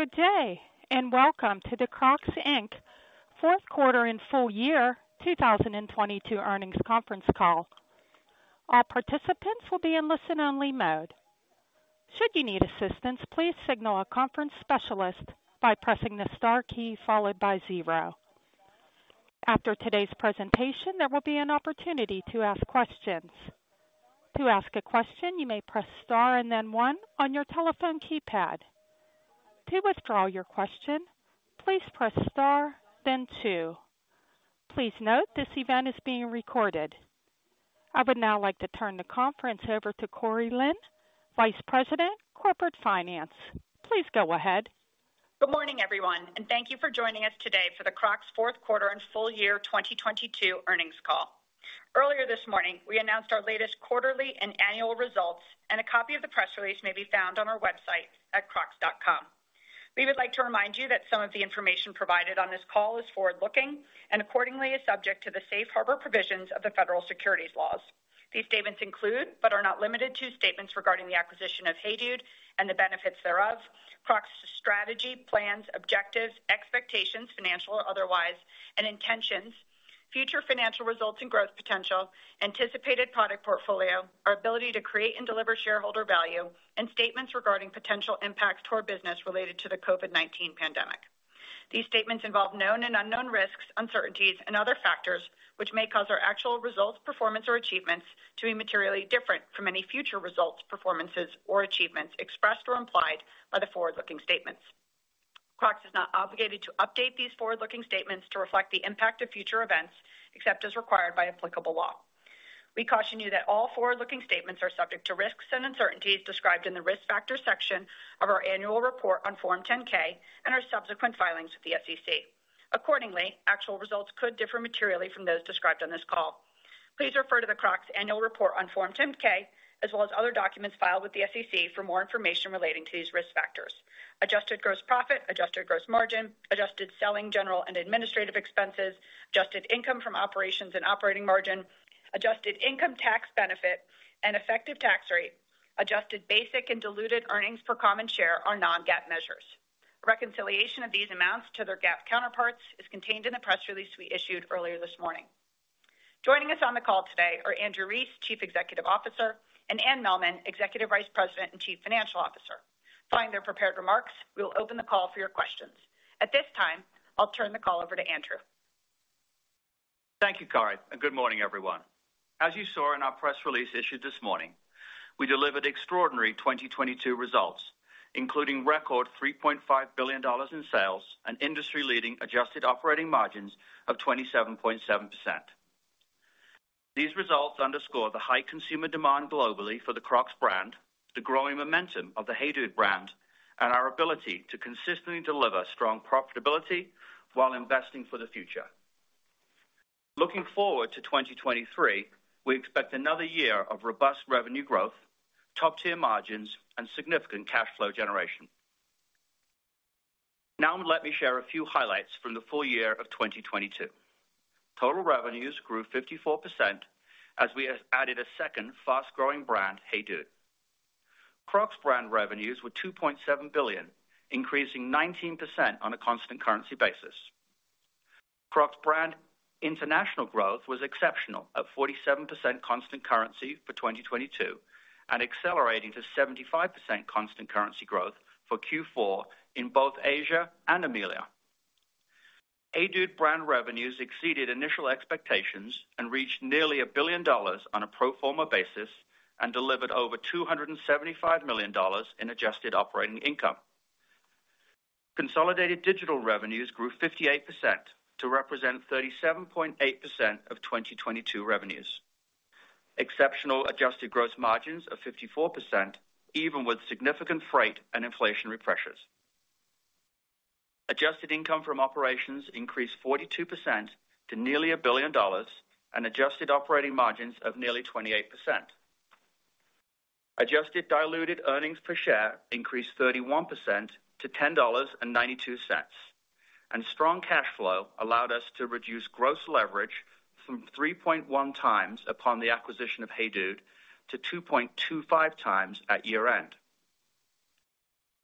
Good day, and welcome to the Crocs, Inc. Fourth Quarter and Full Year 2022 Earnings Conference Call. All participants will be in listen-only mode. Should you need assistance, please signal a conference specialist by pressing the star key followed by zero. After today's presentation, there will be an opportunity to ask questions. To ask a question, you may press star and then one on your telephone keypad. To withdraw your question, please press star then two. Please note this event is being recorded. I would now like to turn the conference over to Cori Lin, Vice President, Corporate Finance. Please go ahead. Good morning, everyone, thank you for joining us today for the Crocs Fourth Quarter and Full Year 2022 Earnings Call. Earlier this morning, we announced our latest quarterly and annual results, a copy of the press release may be found on our website at crocs.com. We would like to remind you that some of the information provided on this call is forward-looking and accordingly is subject to the safe harbor provisions of the federal securities laws. These statements include, but are not limited to, statements regarding the acquisition of HEYDUDE and the benefits thereof, Crocs' strategy, plans, objectives, expectations, financial or otherwise, and intentions, future financial results and growth potential, anticipated product portfolio, our ability to create and deliver shareholder value, and statements regarding potential impacts to our business related to the COVID-19 pandemic. These statements involve known and unknown risks, uncertainties and other factors which may cause our actual results, performance or achievements to be materially different from any future results, performances or achievements expressed or implied by the forward-looking statements. Crocs is not obligated to update these forward-looking statements to reflect the impact of future events, except as required by applicable law. We caution you that all forward-looking statements are subject to risks and uncertainties described in the Risk Factors section of our annual report on Form 10-K and our subsequent filings with the SEC. Actual results could differ materially from those described on this call. Please refer to the Crocs annual report on Form 10-K as well as other documents filed with the SEC for more information relating to these risk factors. Adjusted gross profit, adjusted gross margin, adjusted selling general and administrative expenses, adjusted income from operations and operating margin, adjusted income tax benefit and effective tax rate, adjusted basic and diluted earnings per common share are non-GAAP measures. Reconciliation of these amounts to their GAAP counterparts is contained in the press release we issued earlier this morning. Joining us on the call today are Andrew Rees, Chief Executive Officer, and Anne Mehlman, Executive Vice President and Chief Financial Officer. Following their prepared remarks, we will open the call for your questions. At this time, I'll turn the call over to Andrew. Thank you, Cori, and good morning, everyone. As you saw in our press release issued this morning, we delivered extraordinary 2022 results, including record $3.5 billion in sales and industry-leading adjusted operating margins of 27.7%. These results underscore the high consumer demand globally for the Crocs brand, the growing momentum of the HEYDUDE brand, and our ability to consistently deliver strong profitability while investing for the future. Looking forward to 2023, we expect another year of robust revenue growth, top-tier margins and significant cash flow generation. Now let me share a few highlights from the full year of 2022. Total revenues grew 54% as we added a second fast-growing brand, HEYDUDE. Crocs brand revenues were $2.7 billion, increasing 19% on a constant currency basis. Crocs brand international growth was exceptional at 47% constant currency for 2022 and accelerating to 75% constant currency growth for Q4 in both Asia and EMEA. HEYDUDE brand revenues exceeded initial expectations and reached nearly $1 billion on a pro forma basis and delivered over $275 million in adjusted operating income. Consolidated digital revenues grew 58% to represent 37.8% of 2022 revenues. Exceptional adjusted gross margins of 54%, even with significant freight and inflationary pressures. Adjusted income from operations increased 42% to nearly $1 billion and adjusted operating margins of nearly 28%. Adjusted diluted earnings per share increased 31% to $10.92. Strong cash flow allowed us to reduce gross leverage from 3.1x upon the acquisition of HEYDUDE to 2.25x at year-end.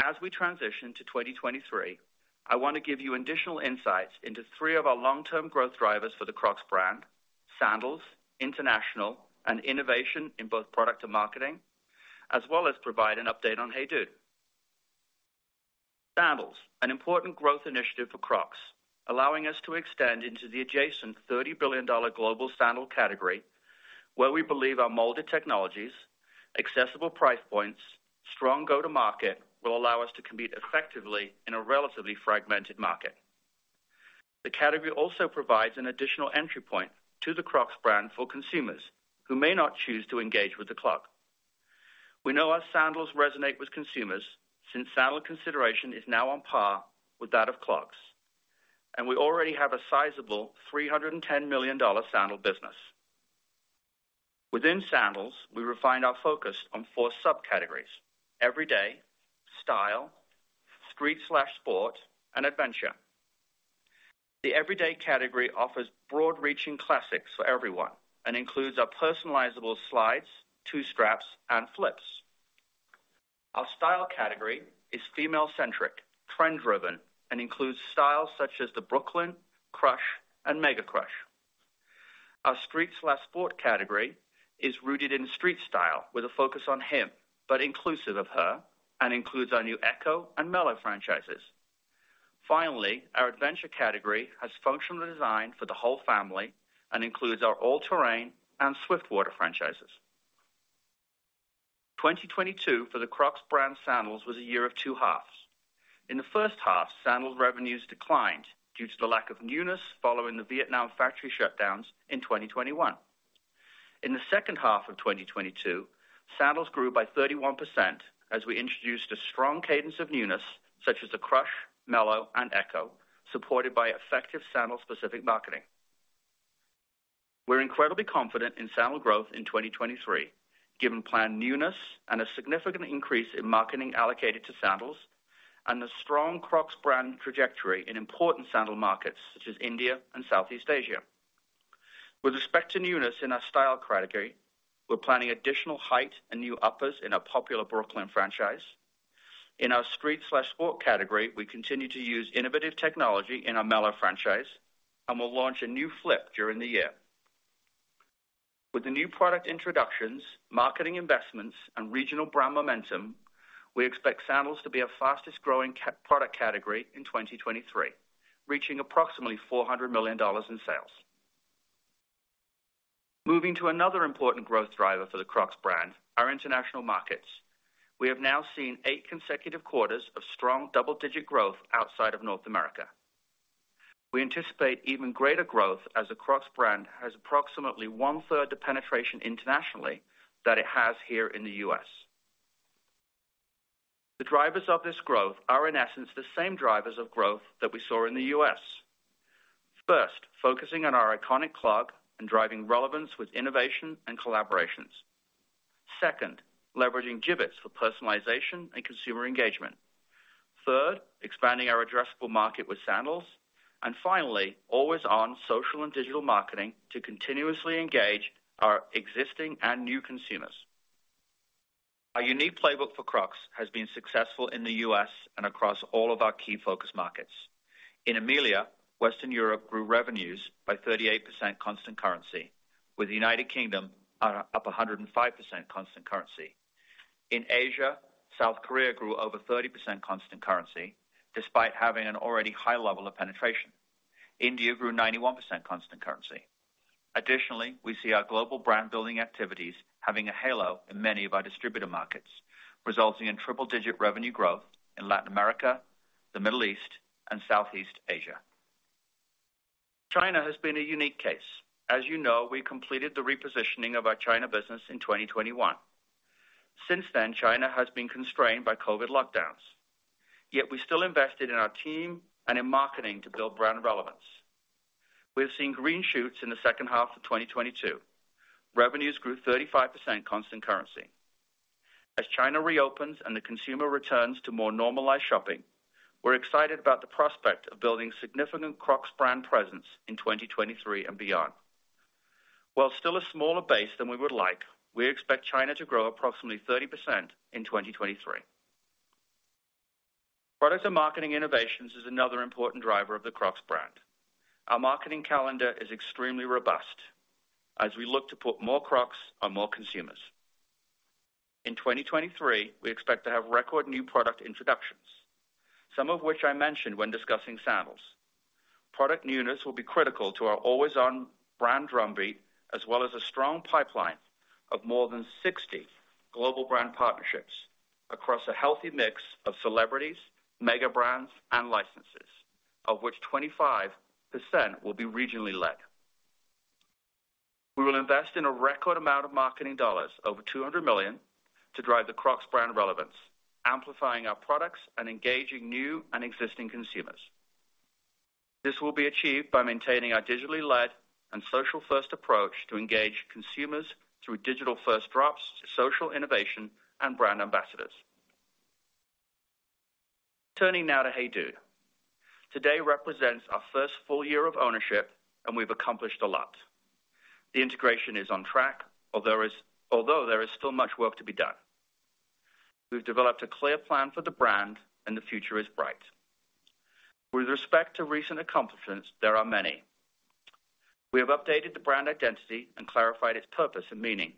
As we transition to 2023, I wanna give you additional insights into three of our long-term growth drivers for the Crocs brand: sandals, international, and innovation in both product and marketing, as well as provide an update on HEYDUDE. Sandals, an important growth initiative for Crocs, allowing us to extend into the adjacent $30 billion global sandal category, where we believe our molded technologies, accessible price points, strong go-to-market will allow us to compete effectively in a relatively fragmented market. The category also provides an additional entry point to the Crocs brand for consumers who may not choose to engage with a Clog. We know our sandals resonate with consumers since sandal consideration is now on par with that of clogs. We already have a sizable $310 million sandal business. Within sandals, we refined our focus on four subcategories: everyday, style, street/sport, and adventure. The everyday category offers broad-reaching classics for everyone and includes our personalizable slides, two straps and flips. Our style category is female-centric, trend-driven, and includes styles such as the Brooklyn, Crush and Mega Crush. Our street/sport category is rooted in street style with a focus on him, but inclusive of her, and includes our new Echo and Mellow franchises. Finally, our adventure category has functional design for the whole family and includes our All-Terrain and Swiftwater franchises. 2022 for the Crocs brand sandals was a year of two halves. In the first half, sandals revenues declined due to the lack of newness following the Vietnam factory shutdowns in 2021. In the second half of 2022, sandals grew by 31% as we introduced a strong cadence of newness such as the Crush, Mellow and Echo, supported by effective sandal-specific marketing. We're incredibly confident in sandal growth in 2023, given planned newness and a significant increase in marketing allocated to sandals and the strong Crocs brand trajectory in important sandal markets such as India and Southeast Asia. With respect to newness in our style category, we're planning additional height and new uppers in our popular Brooklyn franchise. In our street/sport category, we continue to use innovative technology in our Mellow franchise, and we'll launch a new Flip during the year. With the new product introductions, marketing investments, and regional brand momentum, we expect sandals to be our fastest-growing product category in 2023, reaching approximately $400 million in sales. Moving to another important growth driver for the Crocs brand, our international markets. We have now seen eight consecutive quarters of strong double-digit growth outside of North America. We anticipate even greater growth as the Crocs brand has approximately 1/3 the penetration internationally that it has here in the U.S. The drivers of this growth are, in essence, the same drivers of growth that we saw in the U.S. First, focusing on our iconic clog and driving relevance with innovation and collaborations. Second, leveraging Jibbitz for personalization and consumer engagement. Third, expanding our addressable market with sandals. Finally, always on social and digital marketing to continuously engage our existing and new consumers. Our unique playbook for Crocs has been successful in the U.S. and across all of our key focus markets. In EMEALA, Western Europe grew revenues by 38% constant currency, with the United Kingdom up 105% constant currency. In Asia, South Korea grew over 30% constant currency despite having an already high level of penetration. India grew 91% constant currency. We see our global brand building activities having a halo in many of our distributor markets, resulting in triple digit revenue growth in Latin America, the Middle East and Southeast Asia. China has been a unique case. As you know, we completed the repositioning of our China business in 2021. Since then, China has been constrained by COVID-19 lockdowns. Yet we still invested in our team and in marketing to build brand relevance. We have seen green shoots in the second half of 2022. Revenues grew 35% constant currency. As China reopens and the consumer returns to more normalized shopping, we're excited about the prospect of building significant Crocs brand presence in 2023 and beyond. While still a smaller base than we would like, we expect China to grow approximately 30% in 2023. Product and marketing innovations is another important driver of the Crocs brand. Our marketing calendar is extremely robust as we look to put more Crocs on more consumers. In 2023, we expect to have record new product introductions, some of which I mentioned when discussing sandals. Product newness will be critical to our always-on brand drumbeat, as well as a strong pipeline of more than 60 global brand partnerships across a healthy mix of celebrities, mega brands and licenses, of which 25% will be regionally led. We will invest in a record amount of marketing dollars, over $200 million, to drive the Crocs brand relevance, amplifying our products and engaging new and existing consumers. This will be achieved by maintaining our digitally led and social first approach to engage consumers through digital first drops, social innovation and brand ambassadors. Turning now to HEYDUDE. Today represents our first full year of ownership, we've accomplished a lot. The integration is on track. Although there is still much work to be done. We've developed a clear plan for the brand and the future is bright. With respect to recent accomplishments, there are many. We have updated the brand identity and clarified its purpose and meaning.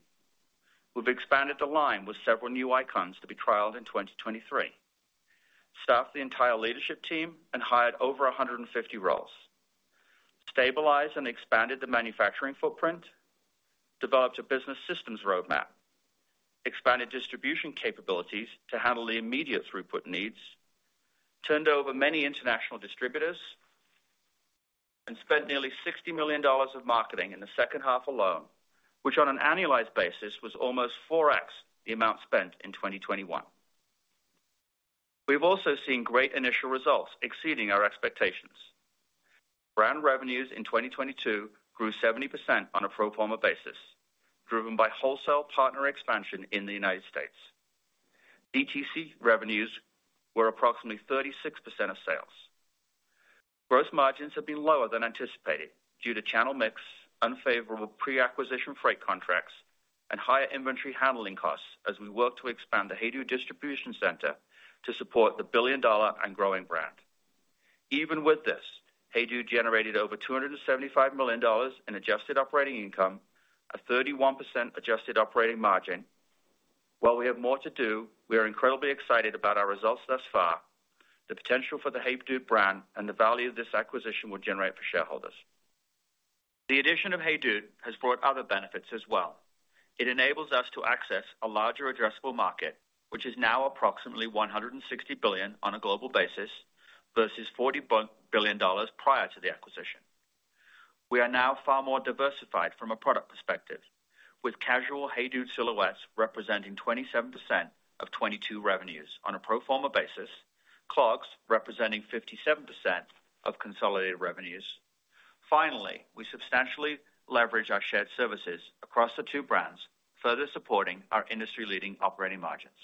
We've expanded the line with several new icons to be trialed in 2023. Staffed the entire leadership team and hired over 150 roles. Stabilized and expanded the manufacturing footprint, developed a business systems roadmap, expanded distribution capabilities to handle the immediate throughput needs, turned over many international distributors, and spent nearly $60 million of marketing in the second half alone, which on an annualized basis was almost 4x the amount spent in 2021. We've also seen great initial results exceeding our expectations. Brand revenues in 2022 grew 70% on a pro forma basis, driven by wholesale partner expansion in the United States. DTC revenues were approximately 36% of sales. Gross margins have been lower than anticipated due to channel mix, unfavorable pre-acquisition freight contracts, and higher inventory handling costs as we work to expand the HEYDUDE distribution center to support the billion-dollar and growing brand. Even with this, HEYDUDE generated over $275 million in adjusted operating income, a 31% adjusted operating margin. While we have more to do, we are incredibly excited about our results thus far, the potential for the HEYDUDE brand and the value of this acquisition will generate for shareholders. The addition of HEYDUDE has brought other benefits as well. It enables us to access a larger addressable market, which is now approximately $160 billion on a global basis versus $40 billion dollars prior to the acquisition. We are now far more diversified from a product perspective, with casual HEYDUDE silhouettes representing 27% of 2022 revenues on a pro forma basis, clogs representing 57% of consolidated revenues. We substantially leverage our shared services across the two brands, further supporting our industry-leading operating margins.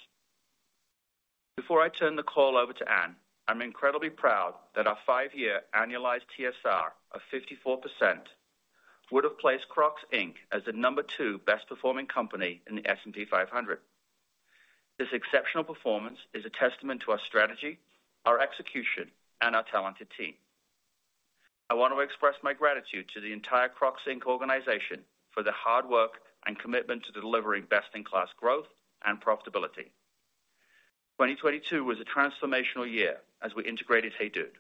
Before I turn the call over to Anne, I'm incredibly proud that our five-year annualized TSR of 54% would have placed Crocs, Inc. as the number two best-performing company in the S&P 500. This exceptional performance is a testament to our strategy, our execution, and our talented team. I want to express my gratitude to the entire Crocs, Inc. organization for their hard work and commitment to delivering best-in-class growth and profitability. 2022 was a transformational year as we integrated HEYDUDE,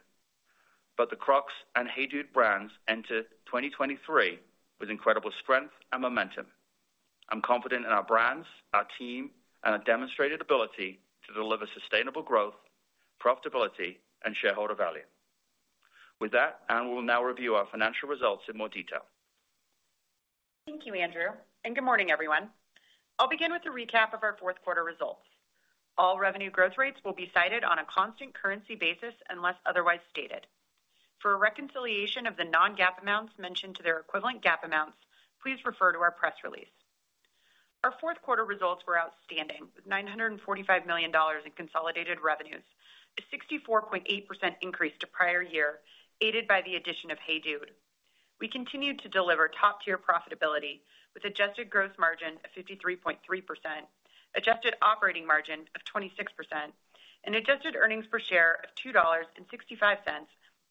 but the Crocs and HEYDUDE brands entered 2023 with incredible strength and momentum. I'm confident in our brands, our team, and our demonstrated ability to deliver sustainable growth, profitability, and shareholder value. With that, Anne will now review our financial results in more detail. Thank you, Andrew. Good morning, everyone. I'll begin with a recap of our fourth quarter results. All revenue growth rates will be cited on a constant currency basis unless otherwise stated. For a reconciliation of the non-GAAP amounts mentioned to their equivalent GAAP amounts, please refer to our press release. Our fourth quarter results were outstanding, with $945 million in consolidated revenues, a 64.8% increase to prior year, aided by the addition of HEYDUDE. We continued to deliver top-tier profitability with adjusted gross margin of 53.3%, adjusted operating margin of 26%, and adjusted earnings per share of $2.65,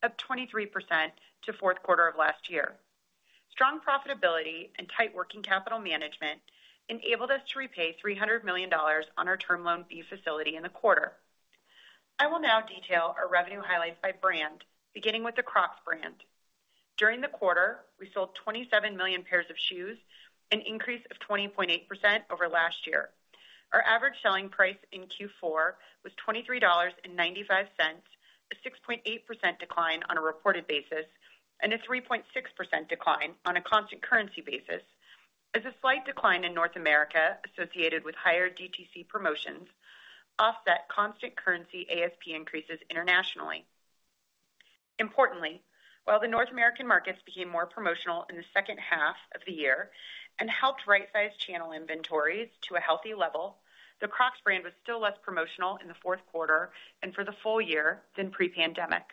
up 23% to fourth quarter of last year. Strong profitability and tight working capital management enabled us to repay $300 million on our Term Loan B facility in the quarter. I will now detail our revenue highlights by brand, beginning with the Crocs brand. During the quarter, we sold 27 million pairs of shoes, an increase of 20.8% over last year. Our average selling price in Q4 was $23.95, a 6.8% decline on a reported basis, and a 3.6% decline on a constant currency basis. As a slight decline in North America associated with higher DTC promotions offset constant currency ASP increases internationally. Importantly, while the North American markets became more promotional in the second half of the year and helped right-size channel inventories to a healthy level, the Crocs brand was still less promotional in the fourth quarter and for the full year than pre-pandemic.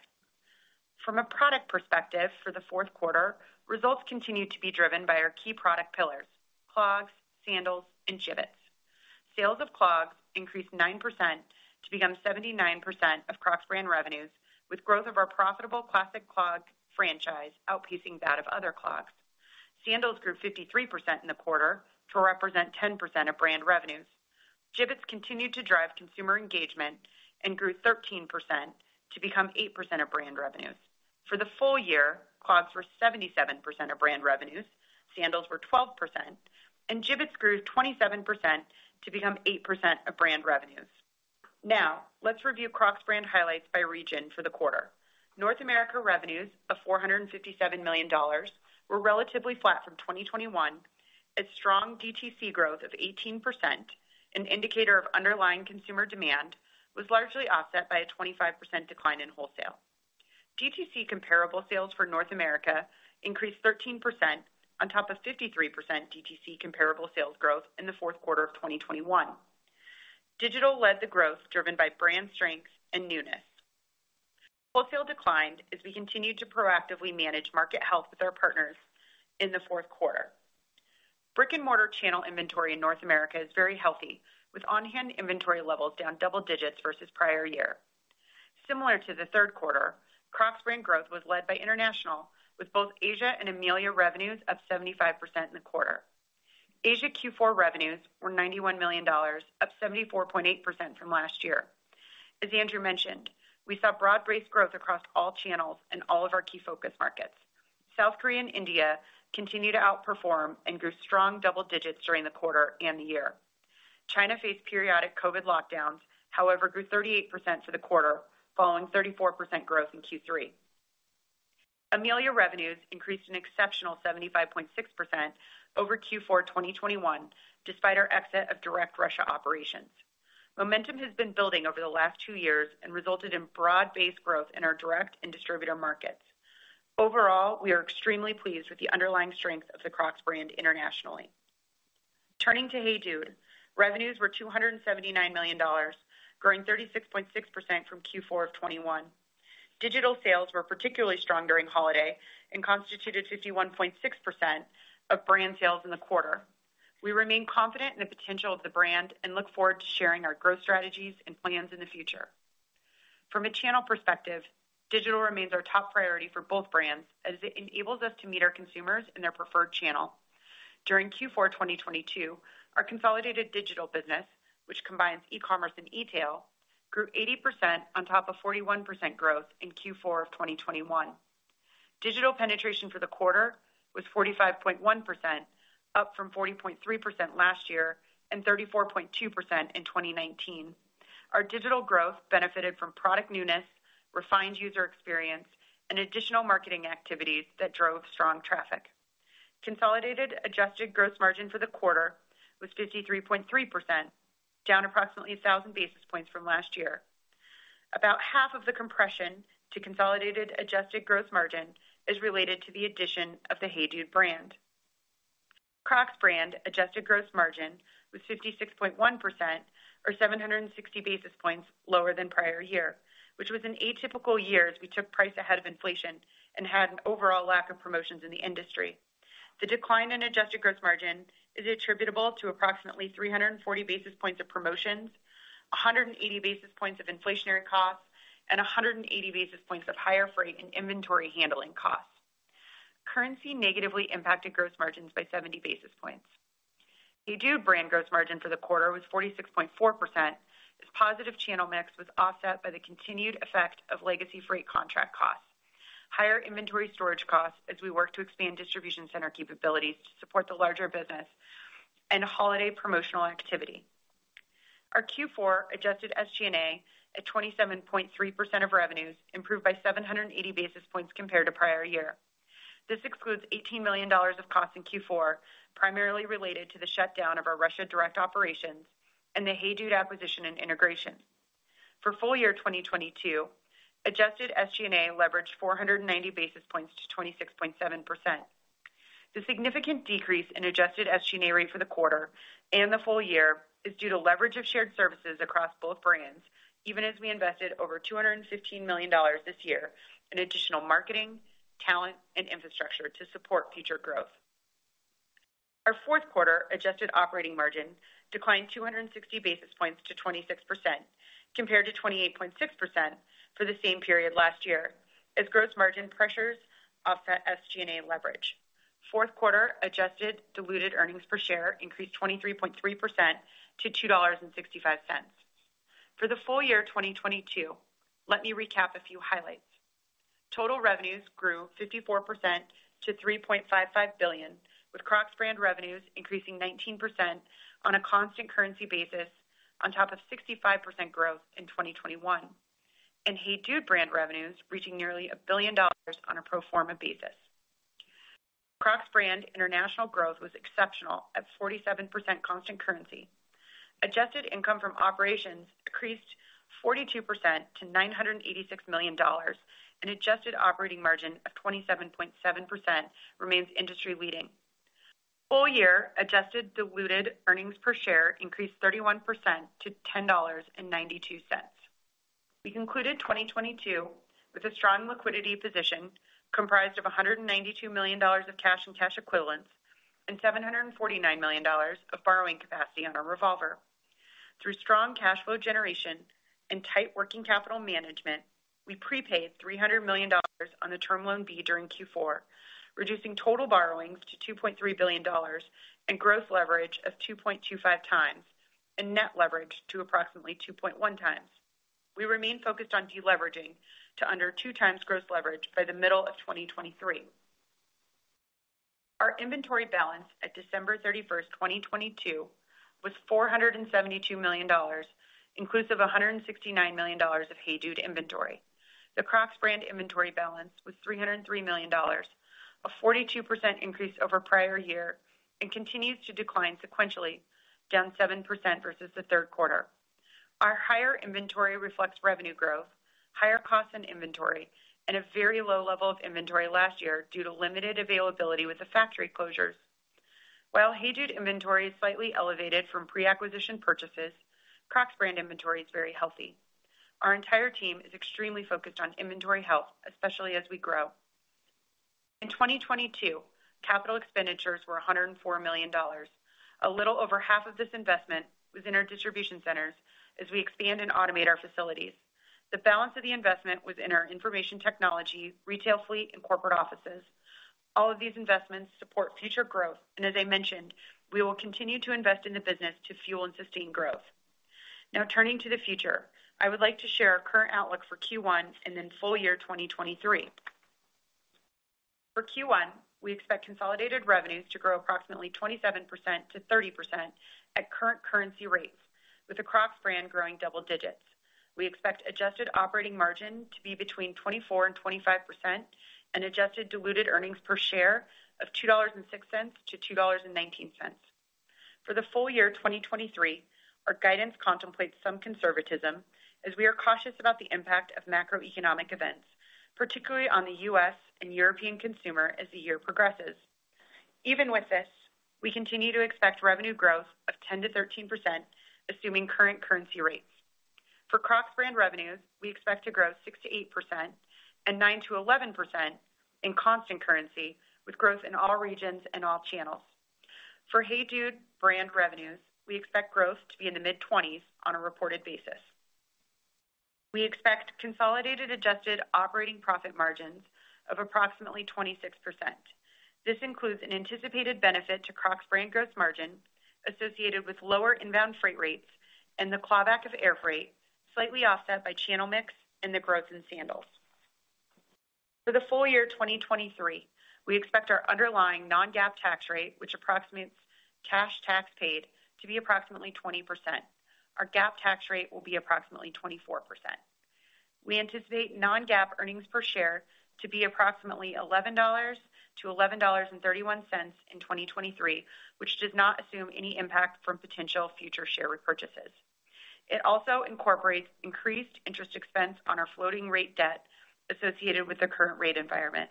From a product perspective for the fourth quarter, results continued to be driven by our key product pillars: clogs, sandals, and Jibbitz. Sales of clogs increased 9% to become 79% of Crocs brand revenues, with growth of our profitable Classic Clog franchise outpacing that of other clogs. Sandals grew 53% in the quarter to represent 10% of brand revenues. Jibbitz continued to drive consumer engagement and grew 13% to become 8% of brand revenues. For the full year, clogs were 77% of brand revenues, sandals were 12%, and Jibbitz grew 27% to become 8% of brand revenues. Now let's review Crocs brand highlights by region for the quarter. North America revenues of $457 million were relatively flat from 2021 as strong DTC growth of 18%, an indicator of underlying consumer demand, was largely offset by a 25% decline in wholesale. DTC comparable sales for North America increased 13% on top of 53% DTC comparable sales growth in the fourth quarter of 2021. Digital led the growth driven by brand strength and newness. Wholesale declined as we continued to proactively manage market health with our partners in the fourth quarter. Brick-and-mortar channel inventory in North America is very healthy, with on-hand inventory levels down double digits versus prior year. Similar to the third quarter, Crocs brand growth was led by international, with both Asia and EMEA revenues up 75% in the quarter. Asia Q4 revenues were $91 million, up 74.8% from last year. As Andrew mentioned, we saw broad-based growth across all channels and all of our key focus markets. South Korea and India continued to outperform and grew strong double digits during the quarter and the year. China faced periodic COVID lockdowns, however, grew 38% for the quarter, following 34% growth in Q3. EMEA revenues increased an exceptional 75.6% over Q4 2021, despite our exit of direct Russia operations. Momentum has been building over the last two years and resulted in broad-based growth in our direct and distributor markets. Overall, we are extremely pleased with the underlying strength of the Crocs brand internationally. Turning to HEYDUDE, revenues were $279 million, growing 36.6% from Q4 of 2021. Digital sales were particularly strong during holiday and constituted 51.6% of brand sales in the quarter. We remain confident in the potential of the brand and look forward to sharing our growth strategies and plans in the future. From a channel perspective, digital remains our top priority for both brands as it enables us to meet our consumers in their preferred channel. During Q4 2022, our consolidated digital business, which combines e-commerce and e-tail, grew 80% on top of 41% growth in Q4 of 2021. Digital penetration for the quarter was 45.1%, up from 40.3% last year and 34.2% in 2019. Our digital growth benefited from product newness, refined user experience, and additional marketing activities that drove strong traffic. Consolidated adjusted gross margin for the quarter was 53.3%, down approximately 1,000 basis points from last year. About half of the compression to consolidated adjusted gross margin is related to the addition of the HEYDUDE brand. Crocs brand adjusted gross margin was 56.1% or 760 basis points lower than prior year, which was an atypical year as we took price ahead of inflation and had an overall lack of promotions in the industry. The decline in adjusted gross margin is attributable to approximately 340 basis points of promotions, 180 basis points of inflationary costs, and 180 basis points of higher freight and inventory handling costs. Currency negatively impacted gross margins by 70 basis points. HEYDUDE brand gross margin for the quarter was 46.4% as positive channel mix was offset by the continued effect of legacy freight contract costs, higher inventory storage costs as we work to expand distribution center capabilities to support the larger business and holiday promotional activity. Our Q4 adjusted SG&A at 27.3% of revenues improved by 780 basis points compared to prior year. This excludes $18 million of costs in Q4, primarily related to the shutdown of our Russia direct operations and the HEYDUDE acquisition and integration. For full year 2022, adjusted SG&A leveraged 490 basis points to 26.7%. The significant decrease in adjusted SG&A rate for the quarter and the full year is due to leverage of shared services across both brands, even as we invested over $215 million this year in additional marketing, talent, and infrastructure to support future growth. Our fourth quarter adjusted operating margin declined 260 basis points to 26% compared to 28.6% for the same period last year as gross margin pressures offset SG&A leverage. Fourth quarter adjusted diluted earnings per share increased 23.3% to $2.65. For the full year 2022, let me recap a few highlights. Total revenues grew 54% to $3.55 billion, with Crocs brand revenues increasing 19% on a constant currency basis on top of 65% growth in 2021, and HEYDUDE brand revenues reaching nearly $1 billion on a pro forma basis. Crocs brand international growth was exceptional at 47% constant currency. Adjusted income from operations increased 42% to $986 million, an adjusted operating margin of 27.7% remains industry-leading. Full year adjusted diluted earnings per share increased 31% to $10.92. We concluded 2022 with a strong liquidity position comprised of $192 million of cash and cash equivalents and $749 million of borrowing capacity on our revolver. Through strong cash flow generation and tight working capital management, we prepaid $300 million on the Term Loan B during Q4, reducing total borrowings to $2.3 billion and gross leverage of 2.25x and net leverage to approximately 2.1x. We remain focused on deleveraging to under 2x gross leverage by the middle of 2023. Our inventory balance at December 31st, 2022 was $472 million, inclusive of $169 million of HEYDUDE inventory. The Crocs brand inventory balance was $303 million, a 42% increase over prior year and continues to decline sequentially, down 7% versus the third quarter. Our higher inventory reflects revenue growth, higher costs and inventory, and a very low level of inventory last year due to limited availability with the factory closures. While HEYDUDE inventory is slightly elevated from pre-acquisition purchases, Crocs brand inventory is very healthy. Our entire team is extremely focused on inventory health, especially as we grow. In 2022, capital expenditures were $104 million. A little over half of this investment was in our distribution centers as we expand and automate our facilities. The balance of the investment was in our information technology, retail fleet, and corporate offices. All of these investments support future growth, and as I mentioned, we will continue to invest in the business to fuel and sustain growth. Turning to the future, I would like to share our current outlook for Q1 and then full year 2023. For Q1, we expect consolidated revenues to grow approximately 27%-30% at current currency rates, with the Crocs brand growing double digits. We expect adjusted operating margin to be between 24% and 25% and adjusted diluted earnings per share of $2.06-$2.19. For the full year 2023, our guidance contemplates some conservatism as we are cautious about the impact of macroeconomic events, particularly on the U.S. and European consumer as the year progresses. Even with this, we continue to expect revenue growth of 10%-13% assuming current currency rates. For Crocs brand revenues, we expect to grow 6%-8% and 9%-11% in constant currency with growth in all regions and all channels. For HEYDUDE brand revenues, we expect growth to be in the mid-20s on a reported basis. We expect consolidated adjusted operating profit margins of approximately 26%. This includes an anticipated benefit to Crocs brand gross margin associated with lower inbound freight rates and the clawback of air freight, slightly offset by channel mix and the growth in sandals. For the full year 2023, we expect our underlying non-GAAP tax rate, which approximates cash tax paid to be approximately 20%. Our GAAP tax rate will be approximately 24%. We anticipate non-GAAP earnings per share to be approximately $11-$11.31 in 2023, which does not assume any impact from potential future share repurchases. It also incorporates increased interest expense on our floating rate debt associated with the current rate environment.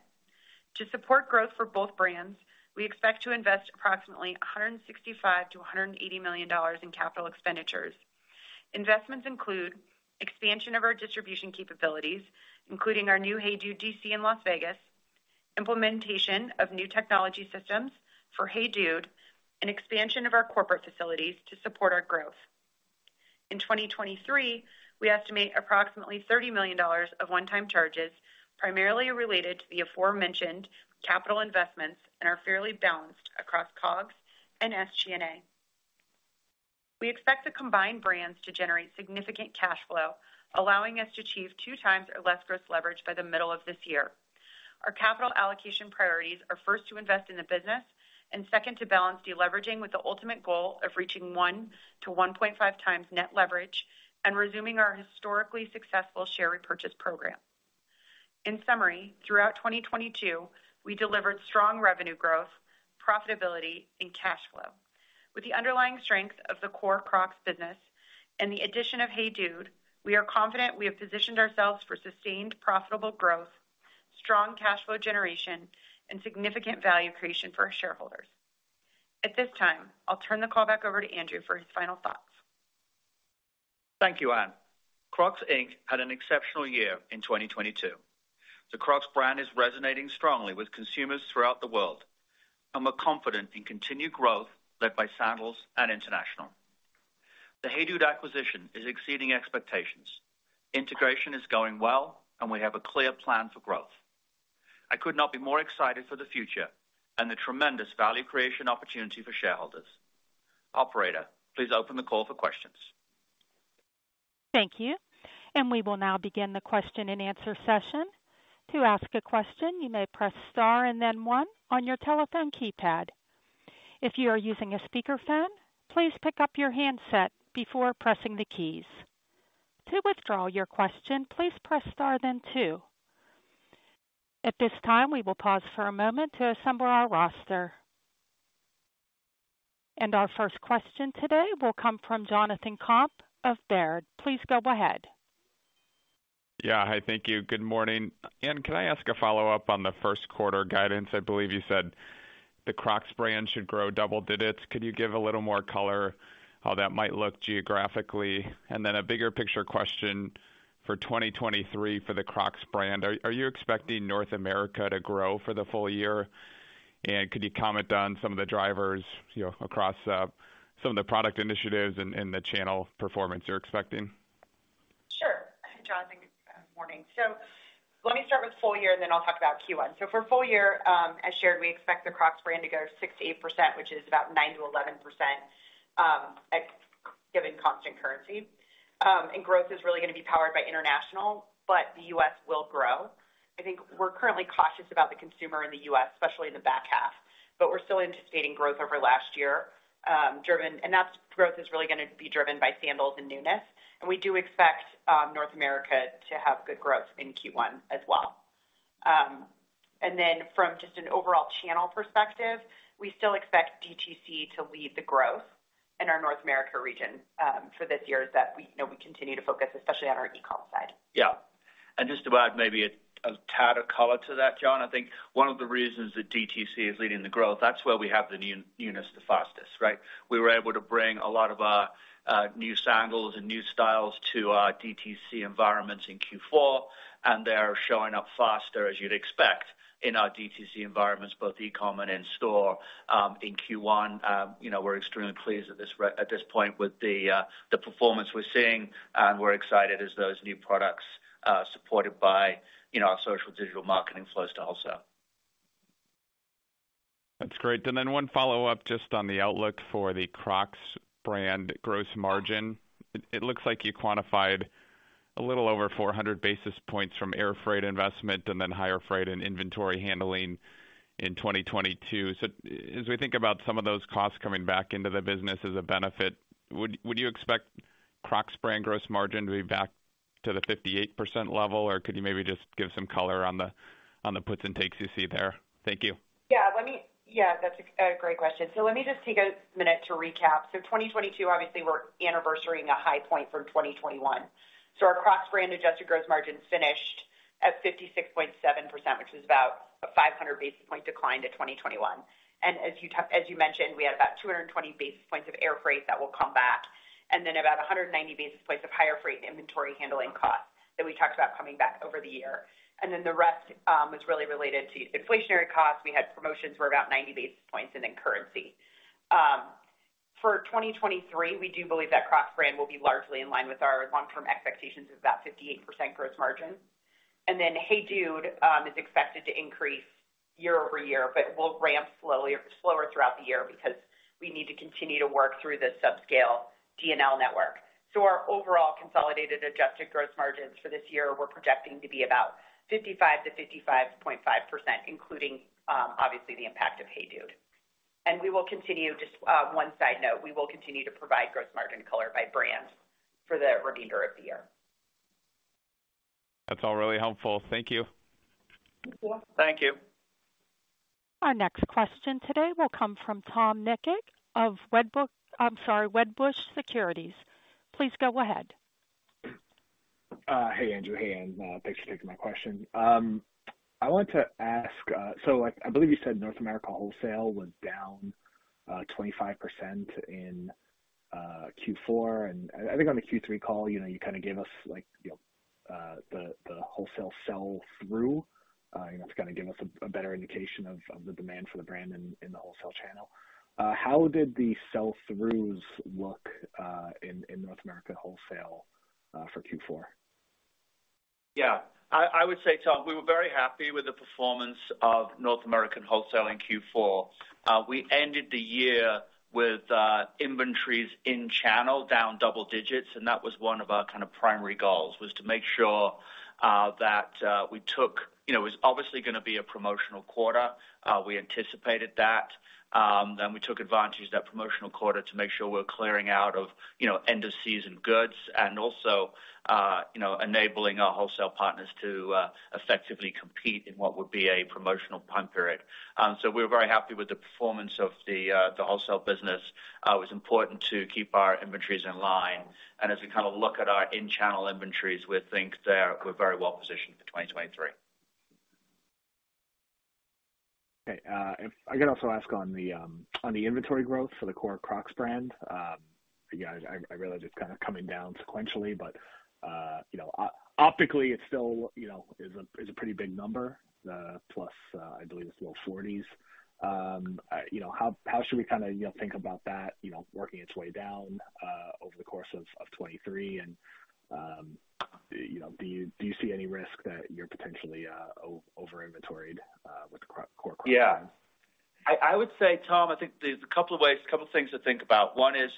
To support growth for both brands, we expect to invest approximately $165 million-$180 million in capital expenditures. Investments include expansion of our distribution capabilities, including our new HEYDUDE DC in Las Vegas, implementation of new technology systems for HEYDUDE, and expansion of our corporate facilities to support our growth. In 2023, we estimate approximately $30 million of one-time charges, primarily related to the aforementioned capital investments and are fairly balanced across COGS and SG&A. We expect the combined brands to generate significant cash flow, allowing us to achieve 2x or less gross leverage by the middle of this year. Our capital allocation priorities are first to invest in the business and second to balance deleveraging with the ultimate goal of reaching 1x-1.5x net leverage and resuming our historically successful share repurchase program. In summary, throughout 2022, we delivered strong revenue growth, profitability, and cash flow. With the underlying strength of the core Crocs business and the addition of HEYDUDE, we are confident we have positioned ourselves for sustained profitable growth, strong cash flow generation, and significant value creation for our shareholders. At this time, I'll turn the call back over to Andrew for his final thoughts. Thank you, Anne. Crocs, Inc. had an exceptional year in 2022. The Crocs brand is resonating strongly with consumers throughout the world, and we're confident in continued growth led by sandals and international. The HEYDUDE acquisition is exceeding expectations. Integration is going well, and we have a clear plan for growth. I could not be more excited for the future and the tremendous value creation opportunity for shareholders. Operator, please open the call for questions. Thank you. We will now begin the question-and-answer session. To ask a question, you may press star and then one on your telephone keypad. If you are using a speakerphone, please pick up your handset before pressing the keys. To withdraw your question, please press star then two. At this time, we will pause for a moment to assemble our roster. Our first question today will come from Jonathan Komp of Baird. Please go ahead. Yeah. Hi, thank you. Good morning. Anne, can I ask a follow-up on the first quarter guidance? I believe you said the Crocs brand should grow double digits. Can you give a little more color how that might look geographically? A bigger picture question for 2023 for the Crocs brand. Are you expecting North America to grow for the full year? Could you comment on some of the drivers, you know, across some of the product initiatives and the channel performance you're expecting? Sure. Jonathan, good morning. Let me start with full year, and then I'll talk about Q1. For full year, as shared, we expect the Crocs brand to go 6%-8%, which is about 9%-11%, given constant currency. Growth is really gonna be powered by international, but the U.S. will grow. I think we're currently cautious about the consumer in the U.S., especially in the back half, but we're still anticipating growth over last year, driven. That growth is really gonna be driven by sandals and newness. We do expect North America to have good growth in Q1 as well. From just an overall channel perspective, we still expect DTC to lead the growth in our North America region, for this year is that we, you know, we continue to focus especially on our e-com side. Yeah. Just to add maybe a tad of color to that, Jon, I think one of the reasons that DTC is leading the growth, that's where we have the new-newness the fastest, right? We were able to bring a lot of our new sandals and new styles to our DTC environments in Q4, and they are showing up faster, as you'd expect, in our DTC environments, both e-com and in-store. In Q1, you know, we're extremely pleased at this point with the performance we're seeing, and we're excited as those new products supported by, you know, our social digital marketing flows to also. That's great. One follow-up just on the outlook for the Crocs brand gross margin. It looks like you quantified a little over 400 basis points from air freight investment and then higher freight and inventory handling in 2022. As we think about some of those costs coming back into the business as a benefit, would you expect Crocs brand gross margin to be back to the 58% level? Could you maybe just give some color on the, on the puts and takes you see there? Thank you. Yeah, that's a great question. Let me just take a minute to recap. 2022, obviously, we're anniversarying a high point from 2021. Our Crocs brand adjusted gross margin finished at 56.7%, which is about a 500 basis point decline to 2021. As you mentioned, we had about 220 basis points of air freight that will come back, and then about 190 basis points of higher freight and inventory handling costs that we talked about coming back over the year. Then the rest was really related to inflationary costs. We had promotions were about 90 basis points and then currency. For 2023, we do believe that Crocs brand will be largely in line with our long-term expectations of about 58% gross margin. HEYDUDE is expected to increase year-over-year, but will ramp slowly or slower throughout the year because we need to continue to work through the subscale D&L network. Our overall consolidated adjusted gross margins for this year we're projecting to be about 55% to 55.5%, including, obviously, the impact of HEYDUDE. We will continue to provide gross margin color by brand for the remainder of the year. That's all really helpful. Thank you. Thank you. Thank you. Our next question today will come from Tom Nikic of Wedbush Securities. I'm sorry. Please go ahead. Hey, Andrew. Hey, Anne. Thanks for taking my question. I believe you said North America wholesale was down 25% in Q4. I think on the Q3 call, you know, you kinda gave us like, you know, the wholesale sell-through. You know, to kinda give us a better indication of the demand for the brand in the wholesale channel. How did the sell-throughs look in North America wholesale for Q4? Yeah. I would say, Tom, we were very happy with the performance of North American wholesale in Q4. That was one of our kind of primary goals, was to make sure that we took... You know, it was obviously gonna be a promotional quarter. We anticipated that. We took advantage of that promotional quarter to make sure we're clearing out of, you know, end-of-season goods and also, you know, enabling our wholesale partners to effectively compete in what would be a promotional time period. We're very happy with the performance of the wholesale business. It was important to keep our inventories in line. As we kinda look at our in-channel inventories, we think we're very well positioned for 2023. Okay. If I could also ask on the inventory growth for the core Crocs brand. Yeah, I realize it's kinda coming down sequentially, but, you know, optically it's still, you know, is a, is a pretty big number, plus, I believe it's low 40s. You know, how should we kinda, you know, think about that, you know, working its way down over the course of 2023? Do you, do you see any risk that you're potentially over inventoried with the core Crocs brand? Yeah. I would say, Tom, I think there's a couple of ways, a couple things to think about. One is,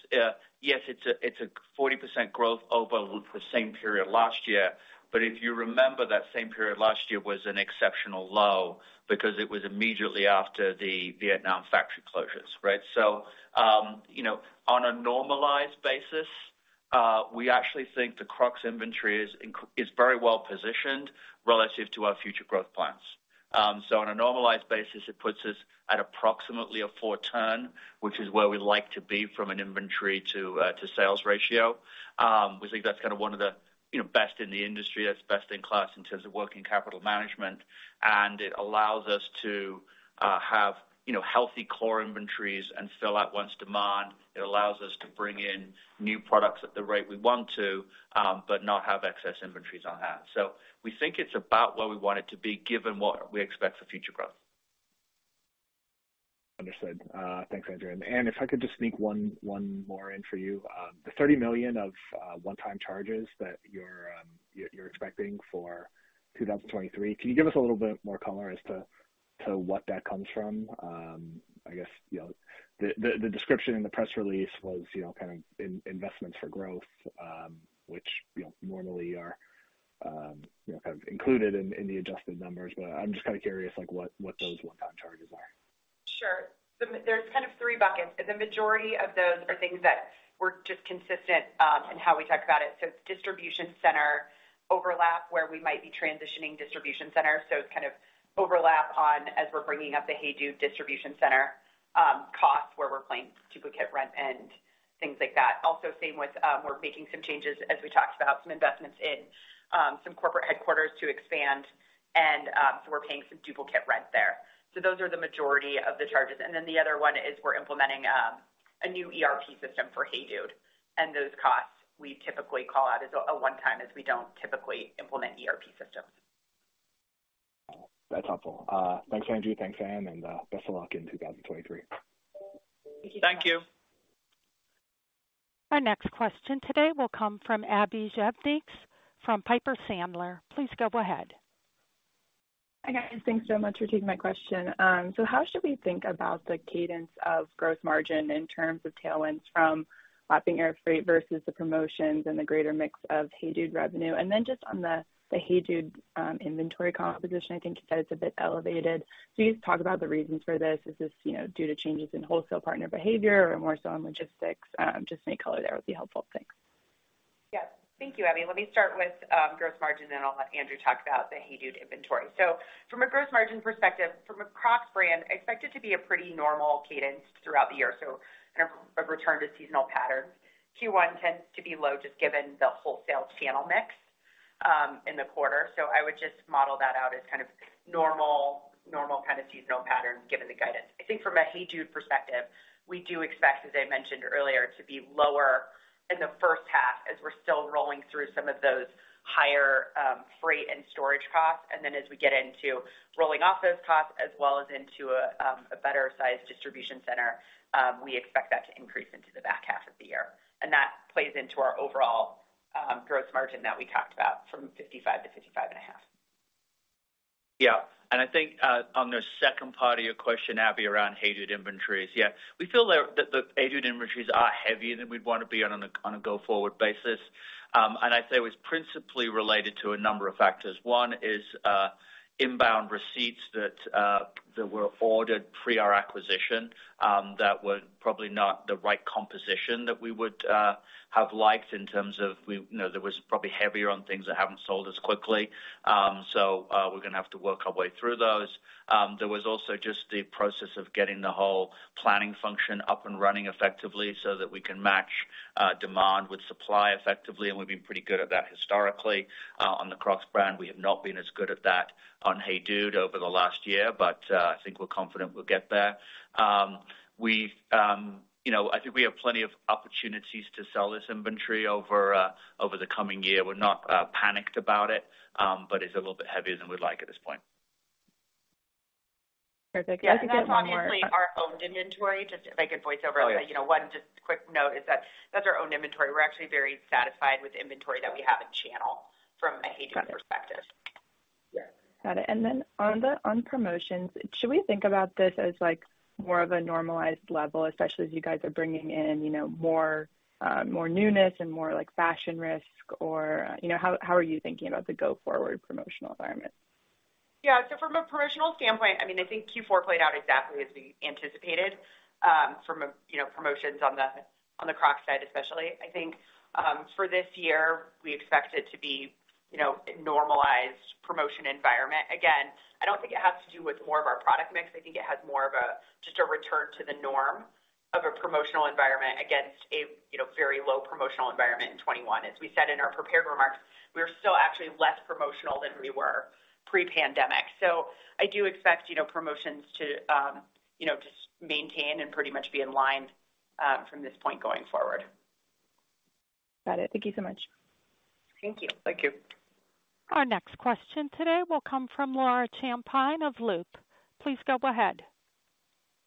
yes, it's a, it's a 40% growth over the same period last year. If you remember, that same period last year was an exceptional low because it was immediately after the Vietnam factory closures, right? You know, on a normalized basis, we actually think the Crocs inventory is very well positioned relative to our future growth plans. On a normalized basis, it puts us at approximately a four turn, which is where we like to be from an inventory to sales ratio. We think that's kinda one of the, you know, best in the industry. That's best in class in terms of working capital management. It allows us to have, you know, healthy core inventories and fill out once demand. It allows us to bring in new products at the rate we want to, but not have excess inventories on hand. We think it's about where we want it to be, given what we expect for future growth. Understood. Thanks, Andrew. Anne, if I could just sneak one more in for you. The $30 million of one-time charges that you're expecting for 2023, can you give us a little bit more color as to what that comes from? I guess, you know, the description in the press release was, you know, kind of investments for growth, which, you know, normally are, you know, kind of included in the adjusted numbers. I'm just kinda curious, like, what those one-time charges are. Sure. There's kind of three buckets. The majority of those are things that were just consistent in how we talked about it. It's distribution center overlap where we might be transitioning distribution centers. It's kind of overlap on as we're bringing up the HEYDUDE distribution center costs where we're paying duplicate rent and things like that. Also same with, we're making some changes as we talked about, some investments in some corporate headquarters to expand and we're paying some duplicate rent there. Those are the majority of the charges. The other one is we're implementing a new ERP system for HEYDUDE. Those costs we typically call out as a one-time as we don't typically implement ERP systems. That's helpful. Thanks, Andrew. Thanks, Anne, and best of luck in 2023. Thank you. Thank you. Our next question today will come from Abbie Zvejnieks from Piper Sandler. Please go ahead. Hi, guys. Thanks so much for taking my question. How should we think about the cadence of gross margin in terms of tailwinds from lapping air freight versus the promotions and the greater mix of HEYDUDE revenue? Just on the HEYDUDE inventory composition, I think you said it's a bit elevated. Can you just talk about the reasons for this? Is this, you know, due to changes in wholesale partner behavior or more so on logistics? Just any color there would be helpful. Thanks. Thank you, Abbie. Let me start with gross margin, then I'll let Andrew talk about the HEYDUDE inventory. From a gross margin perspective, from a Crocs brand, expect it to be a pretty normal cadence throughout the year, so kind of a return to seasonal patterns. Q1 tends to be low just given the wholesale channel mix in the quarter. I would just model that out as kind of normal seasonal patterns given the guidance. From a HEYDUDE perspective, we do expect, as I mentioned earlier, to be lower in the first half as we're still rolling through some of those higher freight and storage costs. As we get into rolling off those costs as well as into a better sized distribution center, we expect that to increase into the back half of the year. That plays into our overall, gross margin that we talked about from 55%-55.5%. Yeah. I think on the second part of your question, Abbie, around HEYDUDE inventories. Yeah, we feel that the HEYDUDE inventories are heavier than we'd want to be on a, on a go-forward basis. I'd say it was principally related to a number of factors. One is inbound receipts that were ordered pre our acquisition, that were probably not the right composition that we would have liked in terms of you know, that was probably heavier on things that haven't sold as quickly. We're gonna have to work our way through those. There was also just the process of getting the whole planning function up and running effectively so that we can match demand with supply effectively, and we've been pretty good at that historically. On the Crocs brand, we have not been as good at that on HEYDUDE over the last year, but I think we're confident we'll get there. You know, I think we have plenty of opportunities to sell this inventory over over the coming year. We're not panicked about it, but it's a little bit heavier than we'd like at this point. Perfect. Yeah, I think that. That's obviously our owned inventory. Just if I could voice over- Oh, yeah. You know, one just quick note is that that's our own inventory. We're actually very satisfied with the inventory that we have in channel from a HEYDUDE perspective. Yeah. Got it. Then on promotions, should we think about this as, like, more of a normalized level, especially as you guys are bringing in, you know, more newness and more like fashion risk or, you know, how are you thinking about the go-forward promotional environment? Yeah. From a promotional standpoint, I mean, I think Q4 played out exactly as we anticipated, from a, you know, promotions on the Crocs side, especially. I think, for this year we expect it to be, you know, a normalized promotion environment. Again, I don't think it has to do with more of our product mix. I think it has more of a just a return to the norm of a promotional environment against a, you know, very low promotional environment in 2021. As we said in our prepared remarks, we are still actually less promotional than we were pre-pandemic. I do expect, you know, promotions to, you know, just maintain and pretty much be in line from this point going forward. Got it. Thank you so much. Thank you. Thank you. Our next question today will come from Laura Champine of Loop. Please go ahead.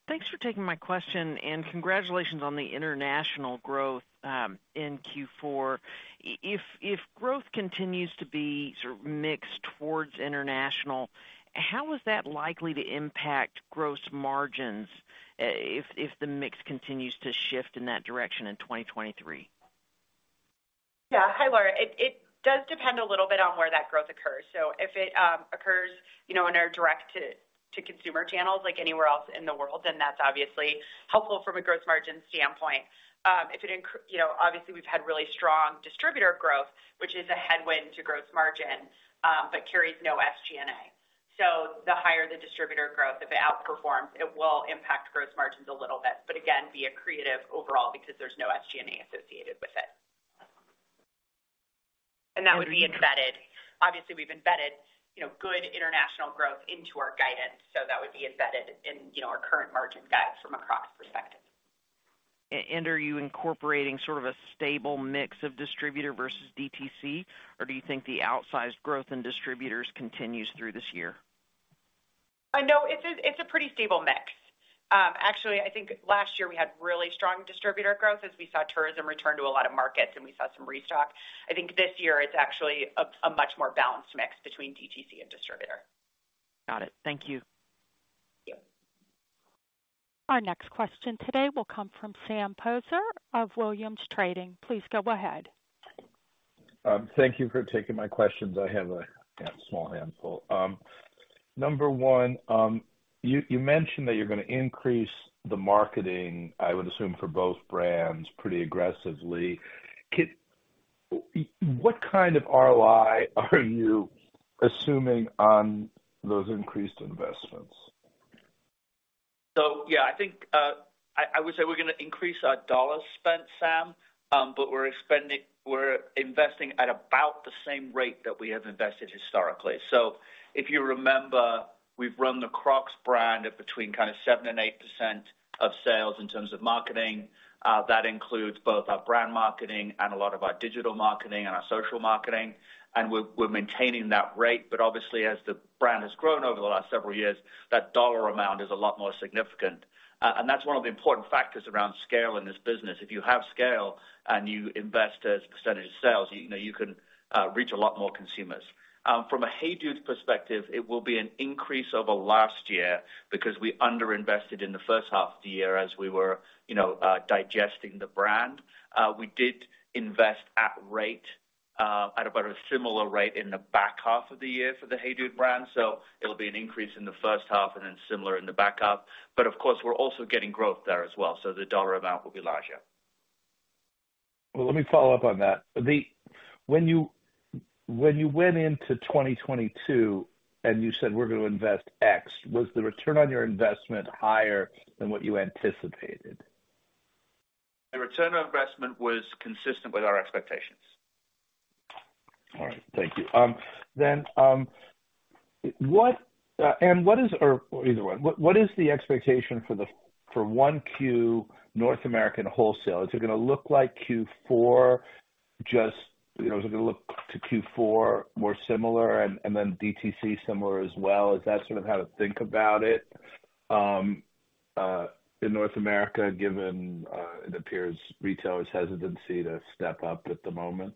Thanks for taking my question and congratulations on the international growth in Q4. If growth continues to be sort of mixed towards international, how is that likely to impact gross margins if the mix continues to shift in that direction in 2023? Yeah. Hi, Laura. It does depend a little bit on where that growth occurs. If it occurs, you know, in our direct to consumer channels like anywhere else in the world, then that's obviously helpful from a gross margin standpoint. If it, you know, obviously we've had really strong distributor growth, which is a headwind to gross margin, but carries no SG&A. The higher the distributor growth, if it outperforms, it will impact gross margins a little bit. Again, be accretive overall because there's no SG&A associated with it. That would be embedded. Obviously, we've embedded, you know, good international growth into our guidance. That would be embedded in, you know, our current margin guide from a Crocs perspective. Are you incorporating sort of a stable mix of distributor versus DTC, or do you think the outsized growth in distributors continues through this year? no, it's a pretty stable mix. actually, I think last year we had really strong distributor growth as we saw tourism return to a lot of markets and we saw some restock. I think this year it's actually a much more balanced mix between DTC and distributor. Got it. Thank you. Yeah. Our next question today will come from Sam Poser of Williams Trading. Please go ahead. Thank you for taking my questions. I have a small handful. Number one, you mentioned that you're gonna increase the marketing, I would assume, for both brands pretty aggressively. What kind of ROI are you assuming on those increased investments? yeah, I think, I would say we're gonna increase our dollars spent, Sam, but we're investing at about the same rate that we have invested historically. If you remember, we've run the Crocs brand at between kind of 7% and 8% of sales in terms of marketing. That includes both our brand marketing and a lot of our digital marketing and our social marketing, and we're maintaining that rate. obviously, as the brand has grown over the last several years, that dollar amount is a lot more significant. That's one of the important factors around scale in this business. If you have scale and you invest as a percentage of sales, you know, you can reach a lot more consumers. From a HEYDUDE perspective, it will be an increase over last year because we underinvested in the first half of the year as we were, you know, digesting the brand. We did invest at about a similar rate in the back half of the year for the HEYDUDE brand. It'll be an increase in the first half and then similar in the back half. Of course, we're also getting growth there as well, so the dollar amount will be larger. Well, let me follow up on that. when you went into 2022 and you said, we're gonna invest X, was the return on your investment higher than what you anticipated? The return on investment was consistent with our expectations. All right. Thank you. What is or either one. What is the expectation for 1Q North American wholesale? Is it gonna look like Q4? Just, you know, is it gonna look to Q4 more similar and then DTC similar as well? Is that sort of how to think about it in North America, given it appears retailers hesitancy to step up at the moment?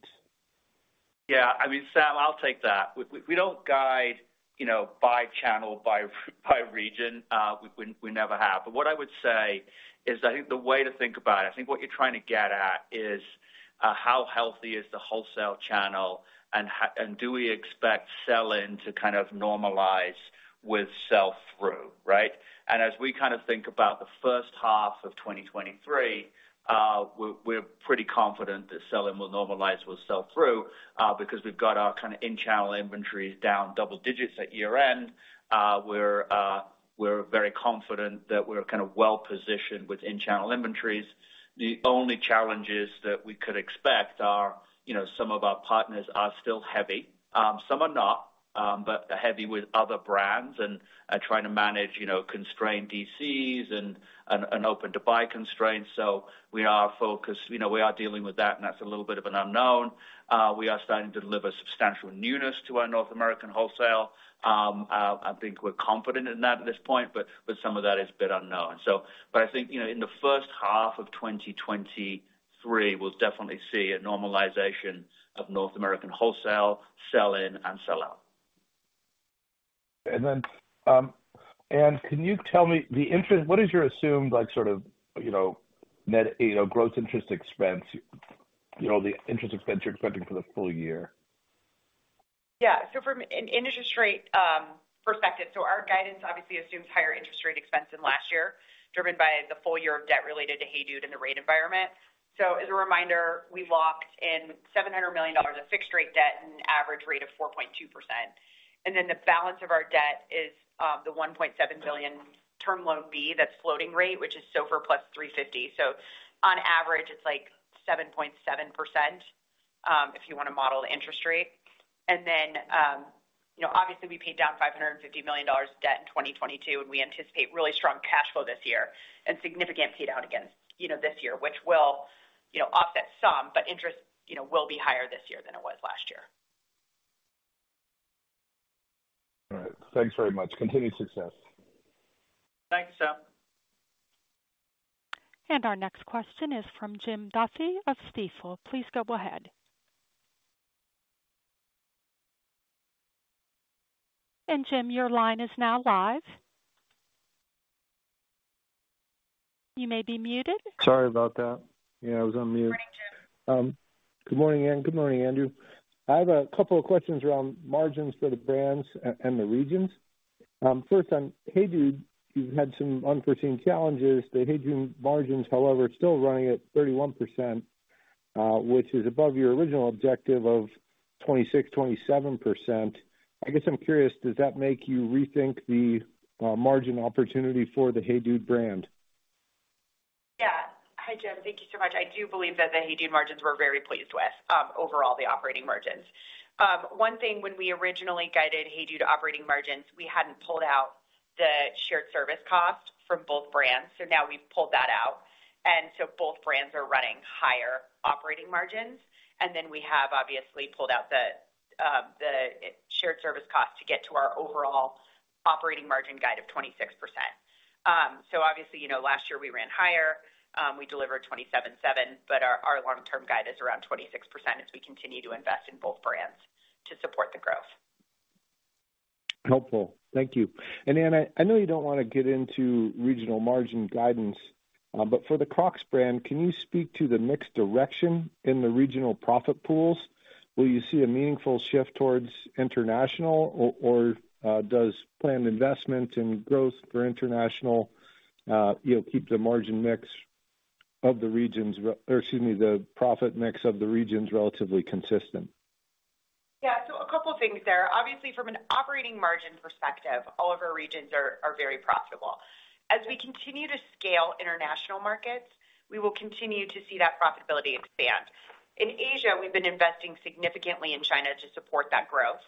Yeah, I mean, Sam, I'll take that. We don't guide, you know, by channel, by region. We never have. But what I would say is, I think the way to think about it, I think what you're trying to get at is how healthy is the wholesale channel and do we expect sell-in to kind of normalize with sell-through, right? As we kind of think about the first half of 2023, we're pretty confident that sell-in will normalize with sell-through because we've got our kind of in-channel inventories down double digits at year-end. We're very confident that we're kind of well positioned with in-channel inventories. The only challenges that we could expect are, you know, some of our partners are still heavy. Some are not, but are heavy with other brands and are trying to manage, you know, constrained DCs and an open-to-buy constraints. We are focused. You know, we are dealing with that, and that's a little bit of an unknown. We are starting to deliver substantial newness to our North American wholesale. I think we're confident in that at this point, but some of that is a bit unknown. I think, you know, in the first half of 2023, we'll definitely see a normalization of North American wholesale sell-in and sell out. Can you tell me what is your assumed like sort of, you know, net, you know, gross interest expense, you know, the interest expense you're expecting for the full year? Yeah. From an interest rate perspective, our guidance obviously assumes higher interest rate expense than last year, driven by the full year of debt related to HEYDUDE and the rate environment. As a reminder, we locked in $700 million of fixed rate debt at an average rate of 4.2%. The balance of our debt is the $1.7 billion Term Loan B, that's floating rate, which is SOFR plus 350. On average it's like 7.7% if you wanna model the interest rate. You know, obviously we paid down $550 million debt in 2022, and we anticipate really strong cash flow this year and significant pay down against, you know, this year, which will, you know, offset some. Interest, you know, will be higher this year than it was last year. All right. Thanks very much. Continued success. Thanks, Sam. Our next question is from Jim Duffy of Stifel. Please go ahead. Jim, your line is now live. You may be muted. Sorry about that. Yeah, I was on mute. Morning, Jim. Good morning, Anne. Good morning, Andrew. I have a couple of questions around margins for the brands and the regions. First on HEYDUDE, you've had some unforeseen challenges. The HEYDUDE margins, however, are still running at 31%, which is above your original objective of 26%, 27%. I guess I'm curious, does that make you rethink the margin opportunity for the HEYDUDE brand? Yeah. Hi, Jim. Thank you so much. I do believe that the HEYDUDE margins we're very pleased with, overall the operating margins. One thing when we originally guided HEYDUDE operating margins, we hadn't pulled out the shared service cost from both brands. Now we've pulled that out. Both brands are running higher operating margins. We have obviously pulled out the shared service cost to get to our overall operating margin guide of 26%. Obviously, you know, last year we ran higher. We delivered 27.7%, but our long term guide is around 26% as we continue to invest in both brands to support the growth. Helpful. Thank you. Anne, I know you don't wanna get into regional margin guidance, but for the Crocs brand, can you speak to the mix direction in the regional profit pools? Will you see a meaningful shift towards international or, does planned investment and growth for international, you know, keep the margin mix of the regions or excuse me, the profit mix of the regions relatively consistent? Yeah. A couple things there. Obviously, from an operating margin perspective, all of our regions are very profitable. As we continue to scale international markets, we will continue to see that profitability expand. In Asia, we've been investing significantly in China to support that growth.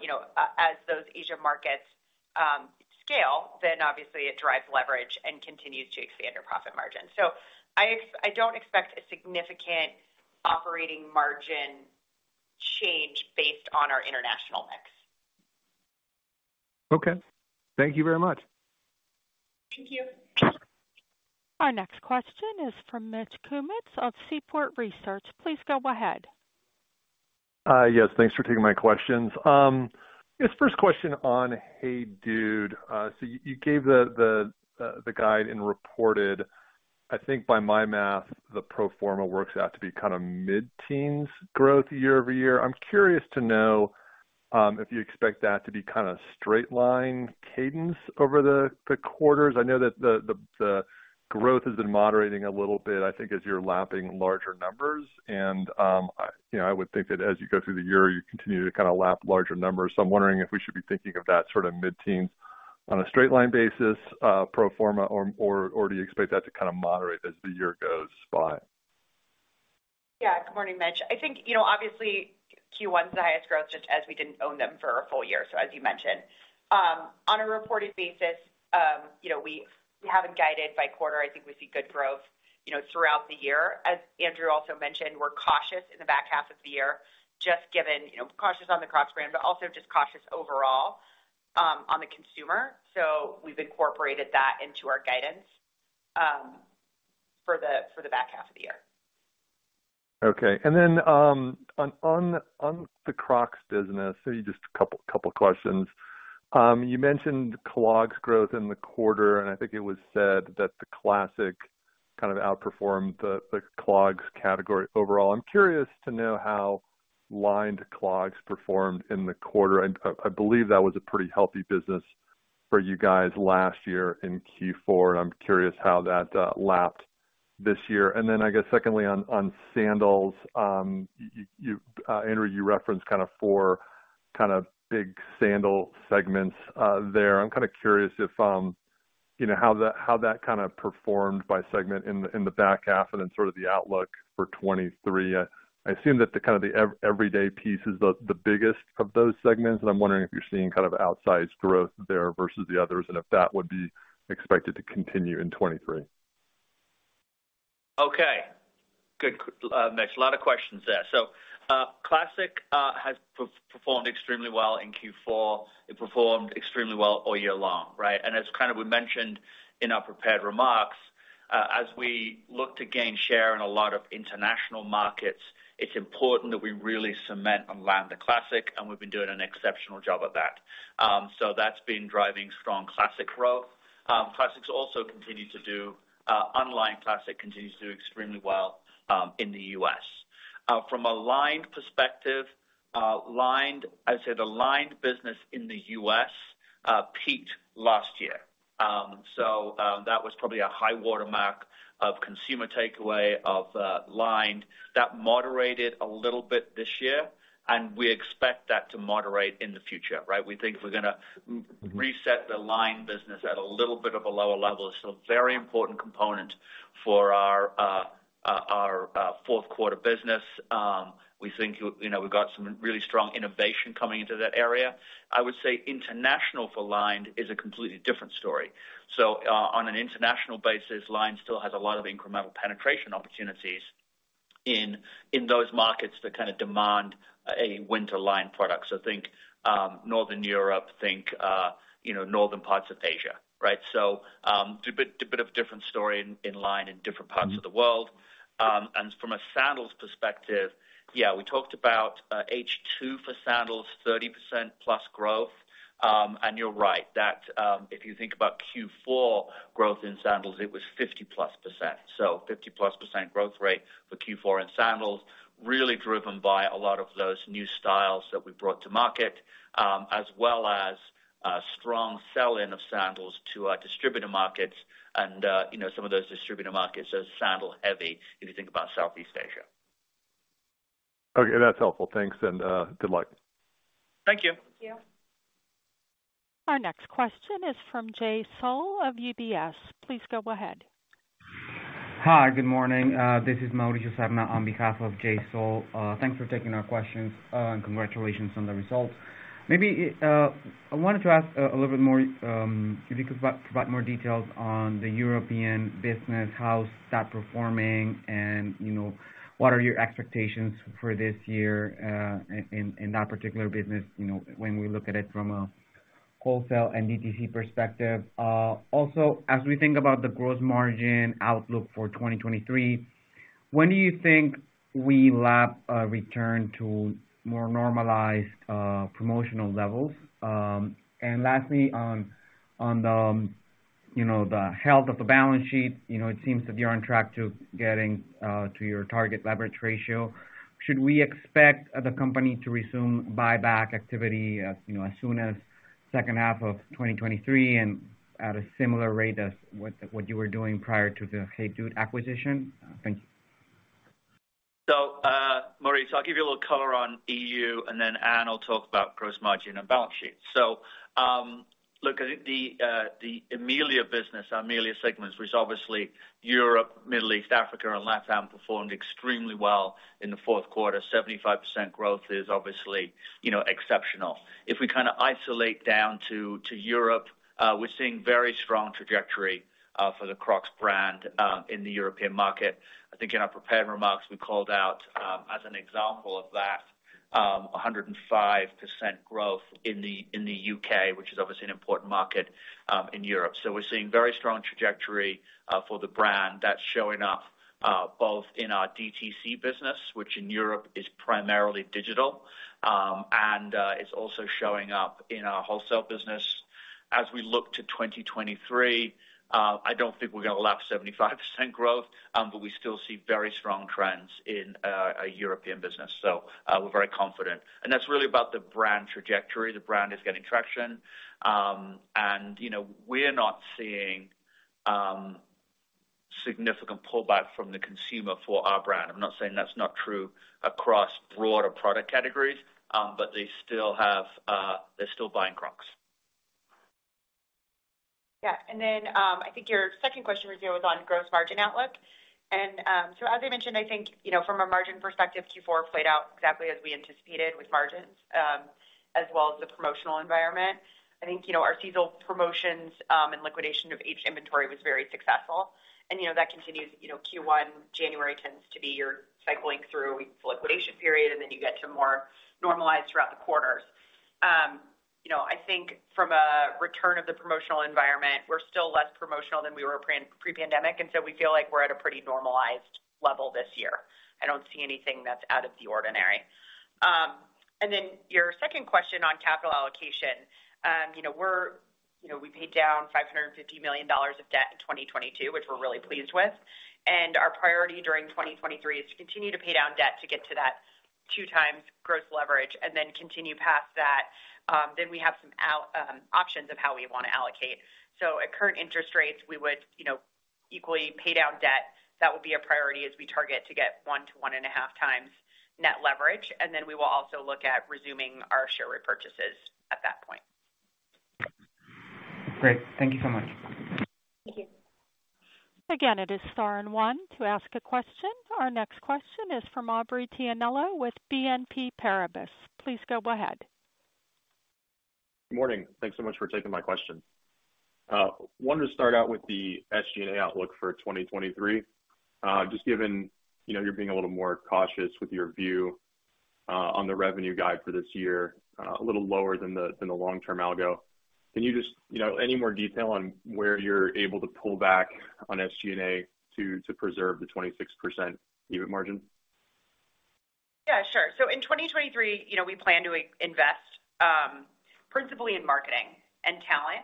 You know, as those Asia markets scale, obviously it drives leverage and continues to expand our profit margin. I don't expect a significant operating margin change based on our international mix. Okay. Thank you very much. Thank you. Our next question is from Mitch Kummetz of Seaport Research Partners. Please go ahead. Yes, thanks for taking my questions. This first question on HEYDUDE. You gave the guide and reported I think by my math, the pro forma works out to be kind of mid-teens growth year-over-year. I'm curious to know if you expect that to be kind of straight line cadence over the quarters. I know that the growth has been moderating a little bit, I think, as you're lapping larger numbers and, you know, I would think that as you go through the year, you continue to kind of lap larger numbers. I'm wondering if we should be thinking of that sort of mid-teen on a straight line basis, pro forma, or do you expect that to kind of moderate as the year goes by? Good morning, Mitch. I think, you know, obviously Q1 is the highest growth just as we didn't own them for a full year, so as you mentioned. On a reported basis, you know, we haven't guided by quarter. I think we see good growth, you know, throughout the year. As Andrew also mentioned, we're cautious in the back half of the year just given, you know, cautious on the Crocs brand, but also just cautious overall on the consumer. We've incorporated that into our guidance for the back half of the year. Okay. Then on the Crocs business, just a couple questions. You mentioned clogs growth in the quarter, and I think it was said that the classic kind of outperformed the clogs category overall. I'm curious to know how lined clogs performed in the quarter. I believe that was a pretty healthy business for you guys last year in Q4, and I'm curious how that lapped this year. Then I guess secondly on sandals, Andrew, you referenced kind of four kind of big sandal segments there. I'm kinda curious if, you know, how that kind of performed by segment in the back half and then sort of the outlook for 2023. I assume that the kind of the e-everyday piece is the biggest of those segments, and I'm wondering if you're seeing kind of outsized growth there versus the others, and if that would be expected to continue in 2023. Okay. Good, Mitch. A lot of questions there. classic has performed extremely well in Q4. It performed extremely well all year long, right? as kind of we mentioned in our prepared remarks, as we look to gain share in a lot of international markets, it's important that we really cement and land the classic, and we've been doing an exceptional job at that. that's been driving strong classic growth. classics also continue to do unlined classic continues to do extremely well in the U.S. From a lined perspective, lined, I'd say the lined business in the U.S. peaked last year. that was probably a high watermark of consumer takeaway of lined. That moderated a little bit this year, and we expect that to moderate in the future, right? We think we're gonna reset the lined business at a little bit of a lower level. Very important component for our fourth quarter business. We think, you know, we've got some really strong innovation coming into that area. I would say international for lined is a completely different story. On an international basis, lined still has a lot of incremental penetration opportunities in those markets that kind of demand a winter lined product. Think Northern Europe, think, you know, northern parts of Asia, right? A bit of a different story in lined in different parts of the world. And from a sandals perspective, yeah, we talked about H2 for sandals, 30%+ growth. You're right, that if you think about Q4 growth in sandals, it was 50+%. 50+% growth rate for Q4 in sandals, really driven by a lot of those new styles that we brought to market, as well as strong sell-in of sandals to our distributor markets, you know, some of those distributor markets are sandal-heavy if you think about Southeast Asia. Okay, that's helpful. Thanks, good luck. Thank you. Thank you. Our next question is from Jay Sole of UBS. Please go ahead. Hi, good morning. This is Mauricio Serna on behalf of Jay Sole. Thanks for taking our questions, and congratulations on the results. Maybe, I wanted to ask a little bit more, if you could provide more details on the European business, how's that performing? What are your expectations for this year in that particular business, you know, when we look at it from a wholesale and DTC perspective. Also, as we think about the gross margin outlook for 2023, when do you think we lap a return to more normalized promotional levels? Lastly, on the, you know, the health of the balance sheet. You know, it seems that you're on track to getting to your target leverage ratio. Should we expect the company to resume buyback activity as, you know, as soon as second half of 2023 and at a similar rate as what you were doing prior to the HEYDUDE acquisition? Thank you. Maurice, I'll give you a little color on EU, and Anne will talk about gross margin and balance sheet. Look, the EMEA business, our EMEA segments was obviously Europe, Middle East, Africa and LatAm performed extremely well in the fourth quarter. 75% growth is obviously, you know, exceptional. If we kinda isolate down to Europe, we're seeing very strong trajectory for the Crocs brand in the European market. I think in our prepared remarks, we called out as an example of that, 105% growth in the U.K., which is obviously an important market in Europe. we're seeing very strong trajectory for the brand that's showing up both in our DTC business, which in Europe is primarily digital, and it's also showing up in our wholesale business. As we look to 2023, I don't think we're gonna lap 75% growth, but we still see very strong trends in our European business. we're very confident. That's really about the brand trajectory. The brand is getting traction. You know, we're not seeing significant pullback from the consumer for our brand. I'm not saying that's not true across broader product categories, but they're still buying Crocs. Then, I think your second question, Ritu, was on gross margin outlook. As I mentioned, I think, you know, from a margin perspective, Q4 played out exactly as we anticipated with margins as well as the promotional environment. I think, you know, our seasonal promotions and liquidation of each inventory was very successful. That continues. You know, Q1, January tends to be you're cycling through the liquidation period, and then you get to more normalized throughout the quarters. You know, I think from a return of the promotional environment, we're still less promotional than we were pre-pandemic, so we feel like we're at a pretty normalized level this year. I don't see anything that's out of the ordinary. Then your second question on capital allocation, you know, we paid down $550 million of debt in 2022, which we're really pleased with. Our priority during 2023 is to continue to pay down debt to get to that 2x gross leverage and then continue past that. We have some options of how we wanna allocate. At current interest rates, we would, you know, equally pay down debt. That would be a priority as we target to get 1x to 1.5x net leverage. Then we will also look at resuming our share repurchases at that point. Great. Thank you so much. Thank you. Again, it is star and one to ask a question. Our next question is from Aubrey Tianello with BNP Paribas. Please go ahead. Good morning. Thanks so much for taking my question. wanted to start out with the SG&A outlook for 2023, just given, you know, you're being a little more cautious with your view on the revenue guide for this year, a little lower than the, than the long-term ago. You know, any more detail on where you're able to pull back on SG&A to preserve the 26% EBIT margin? Yeah, sure. In 2023, you know, we plan to invest principally in marketing and talent,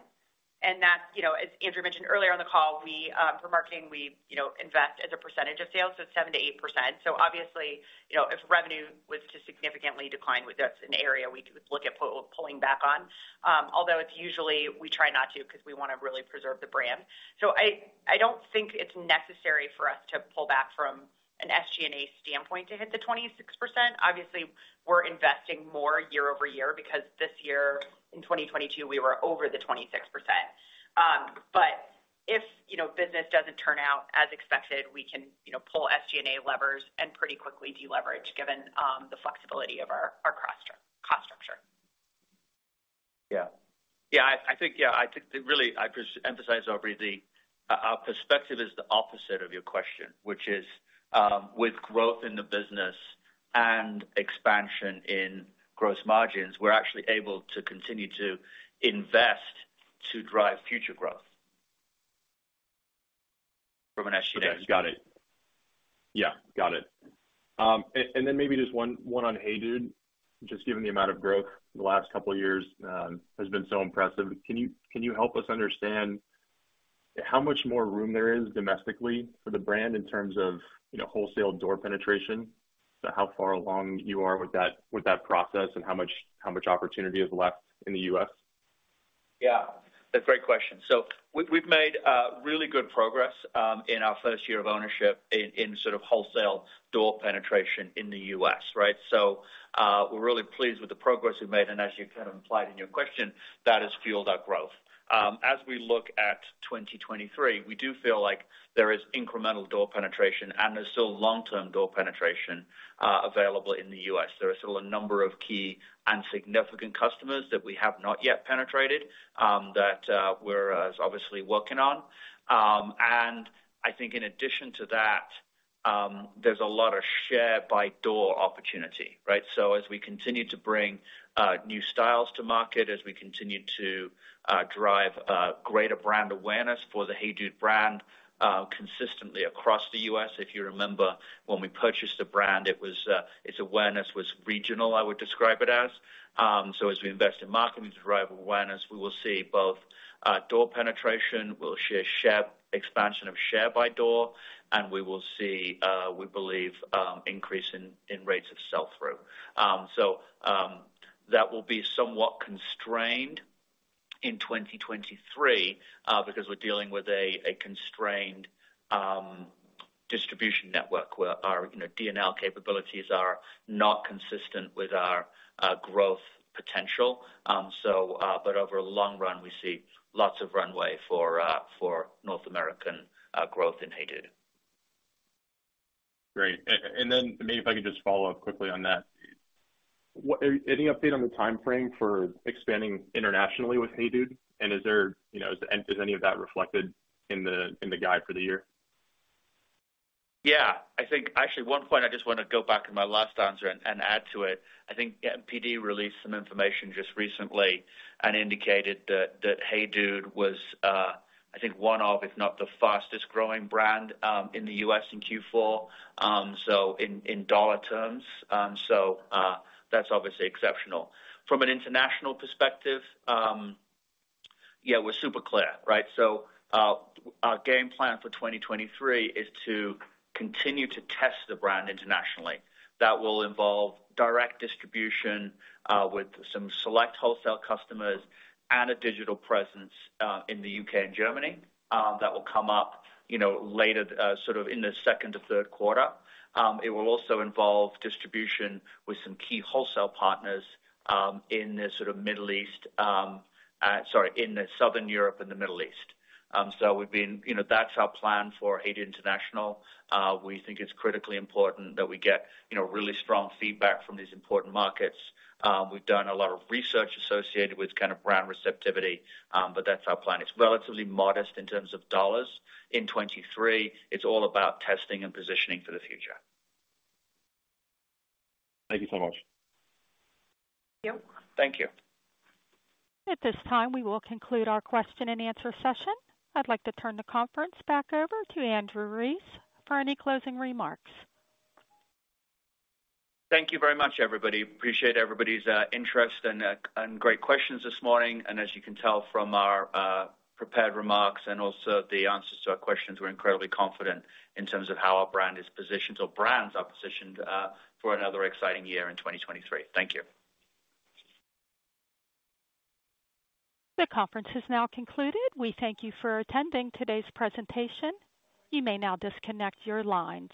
and that's, you know, as Andrew mentioned earlier on the call, we for marketing, we, you know, invest as a percentage of sales, so it's 7%-8%. Obviously, you know, if revenue was to significantly decline, that's an area we would look at pulling back on. Although it's usually we try not to 'cause we wanna really preserve the brand. I don't think it's necessary for us to pull back from an SG&A standpoint to hit the 26%. Obviously, we're investing more year-over-year because this year in 2022, we were over the 26%. If, you know, business doesn't turn out as expected, we can, you know, pull SG&A levers and pretty quickly deleverage given the flexibility of our cost structure. Yeah. Yeah, I think, yeah, I think really I just emphasize, Aubrey, our perspective is the opposite of your question, which is, with growth in the business and expansion in gross margins, we're actually able to continue to invest to drive future growth from an SG&A standpoint. Okay. Got it. Yeah, got it. Then maybe just one on HEYDUDE, just given the amount of growth the last couple of years has been so impressive. Can you help us understand how much more room there is domestically for the brand in terms of, you know, wholesale door penetration? How far along you are with that process and how much opportunity is left in the U.S.? Yeah, that's a great question. We've, we've made really good progress in our first year of ownership in sort of wholesale door penetration in the U.S., right? We're really pleased with the progress we've made, and as you kind of implied in your question, that has fueled our growth. As we look at 2023, we do feel like there is incremental door penetration and there's still long-term door penetration available in the U.S. There are still a number of key and significant customers that we have not yet penetrated, that we're obviously working on. And I think in addition to that, there's a lot of share by door opportunity, right? As we continue to bring new styles to market, as we continue to drive greater brand awareness for the HEYDUDE brand, consistently across the U.S. If you remember when we purchased the brand, it was its awareness was regional, I would describe it as. As we invest in marketing to drive awareness, we will see both door penetration. We'll share expansion of share by door, and we will see, we believe, increase in rates of sell-through. That will be somewhat constrained in 2023 because we're dealing with a constrained distribution network where our, you know, D&L capabilities are not consistent with our growth potential. Over long run, we see lots of runway for North American growth in HEYDUDE. Great. Maybe if I could just follow up quickly on that. Any update on the timeframe for expanding internationally with HEYDUDE? Is there, you know, and is any of that reflected in the guide for the year? Yeah. I think actually one point I just want to go back to my last answer and add to it. I think NPD released some information just recently and indicated that HEYDUDE was, I think one of, if not the fastest growing brand, in the U.S. in Q4, so in dollar terms. That's obviously exceptional. From an international perspective, yeah, we're super clear, right? Our game plan for 2023 is to continue to test the brand internationally. That will involve direct distribution, with some select wholesale customers and a digital presence, in the U.K. and Germany, that will come up, you know, later, sort of in the second to third quarter. It will also involve distribution with some key wholesale partners in the sort of Southern Europe and the Middle East. You know, that's our plan for HEYDUDE International. We think it's critically important that we get, you know, really strong feedback from these important markets. We've done a lot of research associated with kind of brand receptivity, that's our plan. It's relatively modest in terms of dollars. In 2023, it's all about testing and positioning for the future. Thank you so much. Thank you. Thank you. At this time, we will conclude our question and answer session. I'd like to turn the conference back over to Andrew Rees for any closing remarks. Thank you very much, everybody. Appreciate everybody's interest and great questions this morning. As you can tell from our prepared remarks and also the answers to our questions, we're incredibly confident in terms of how our brand is positioned or brands are positioned for another exciting year in 2023. Thank you. The conference has now concluded. We thank you for attending today's presentation. You may now disconnect your lines.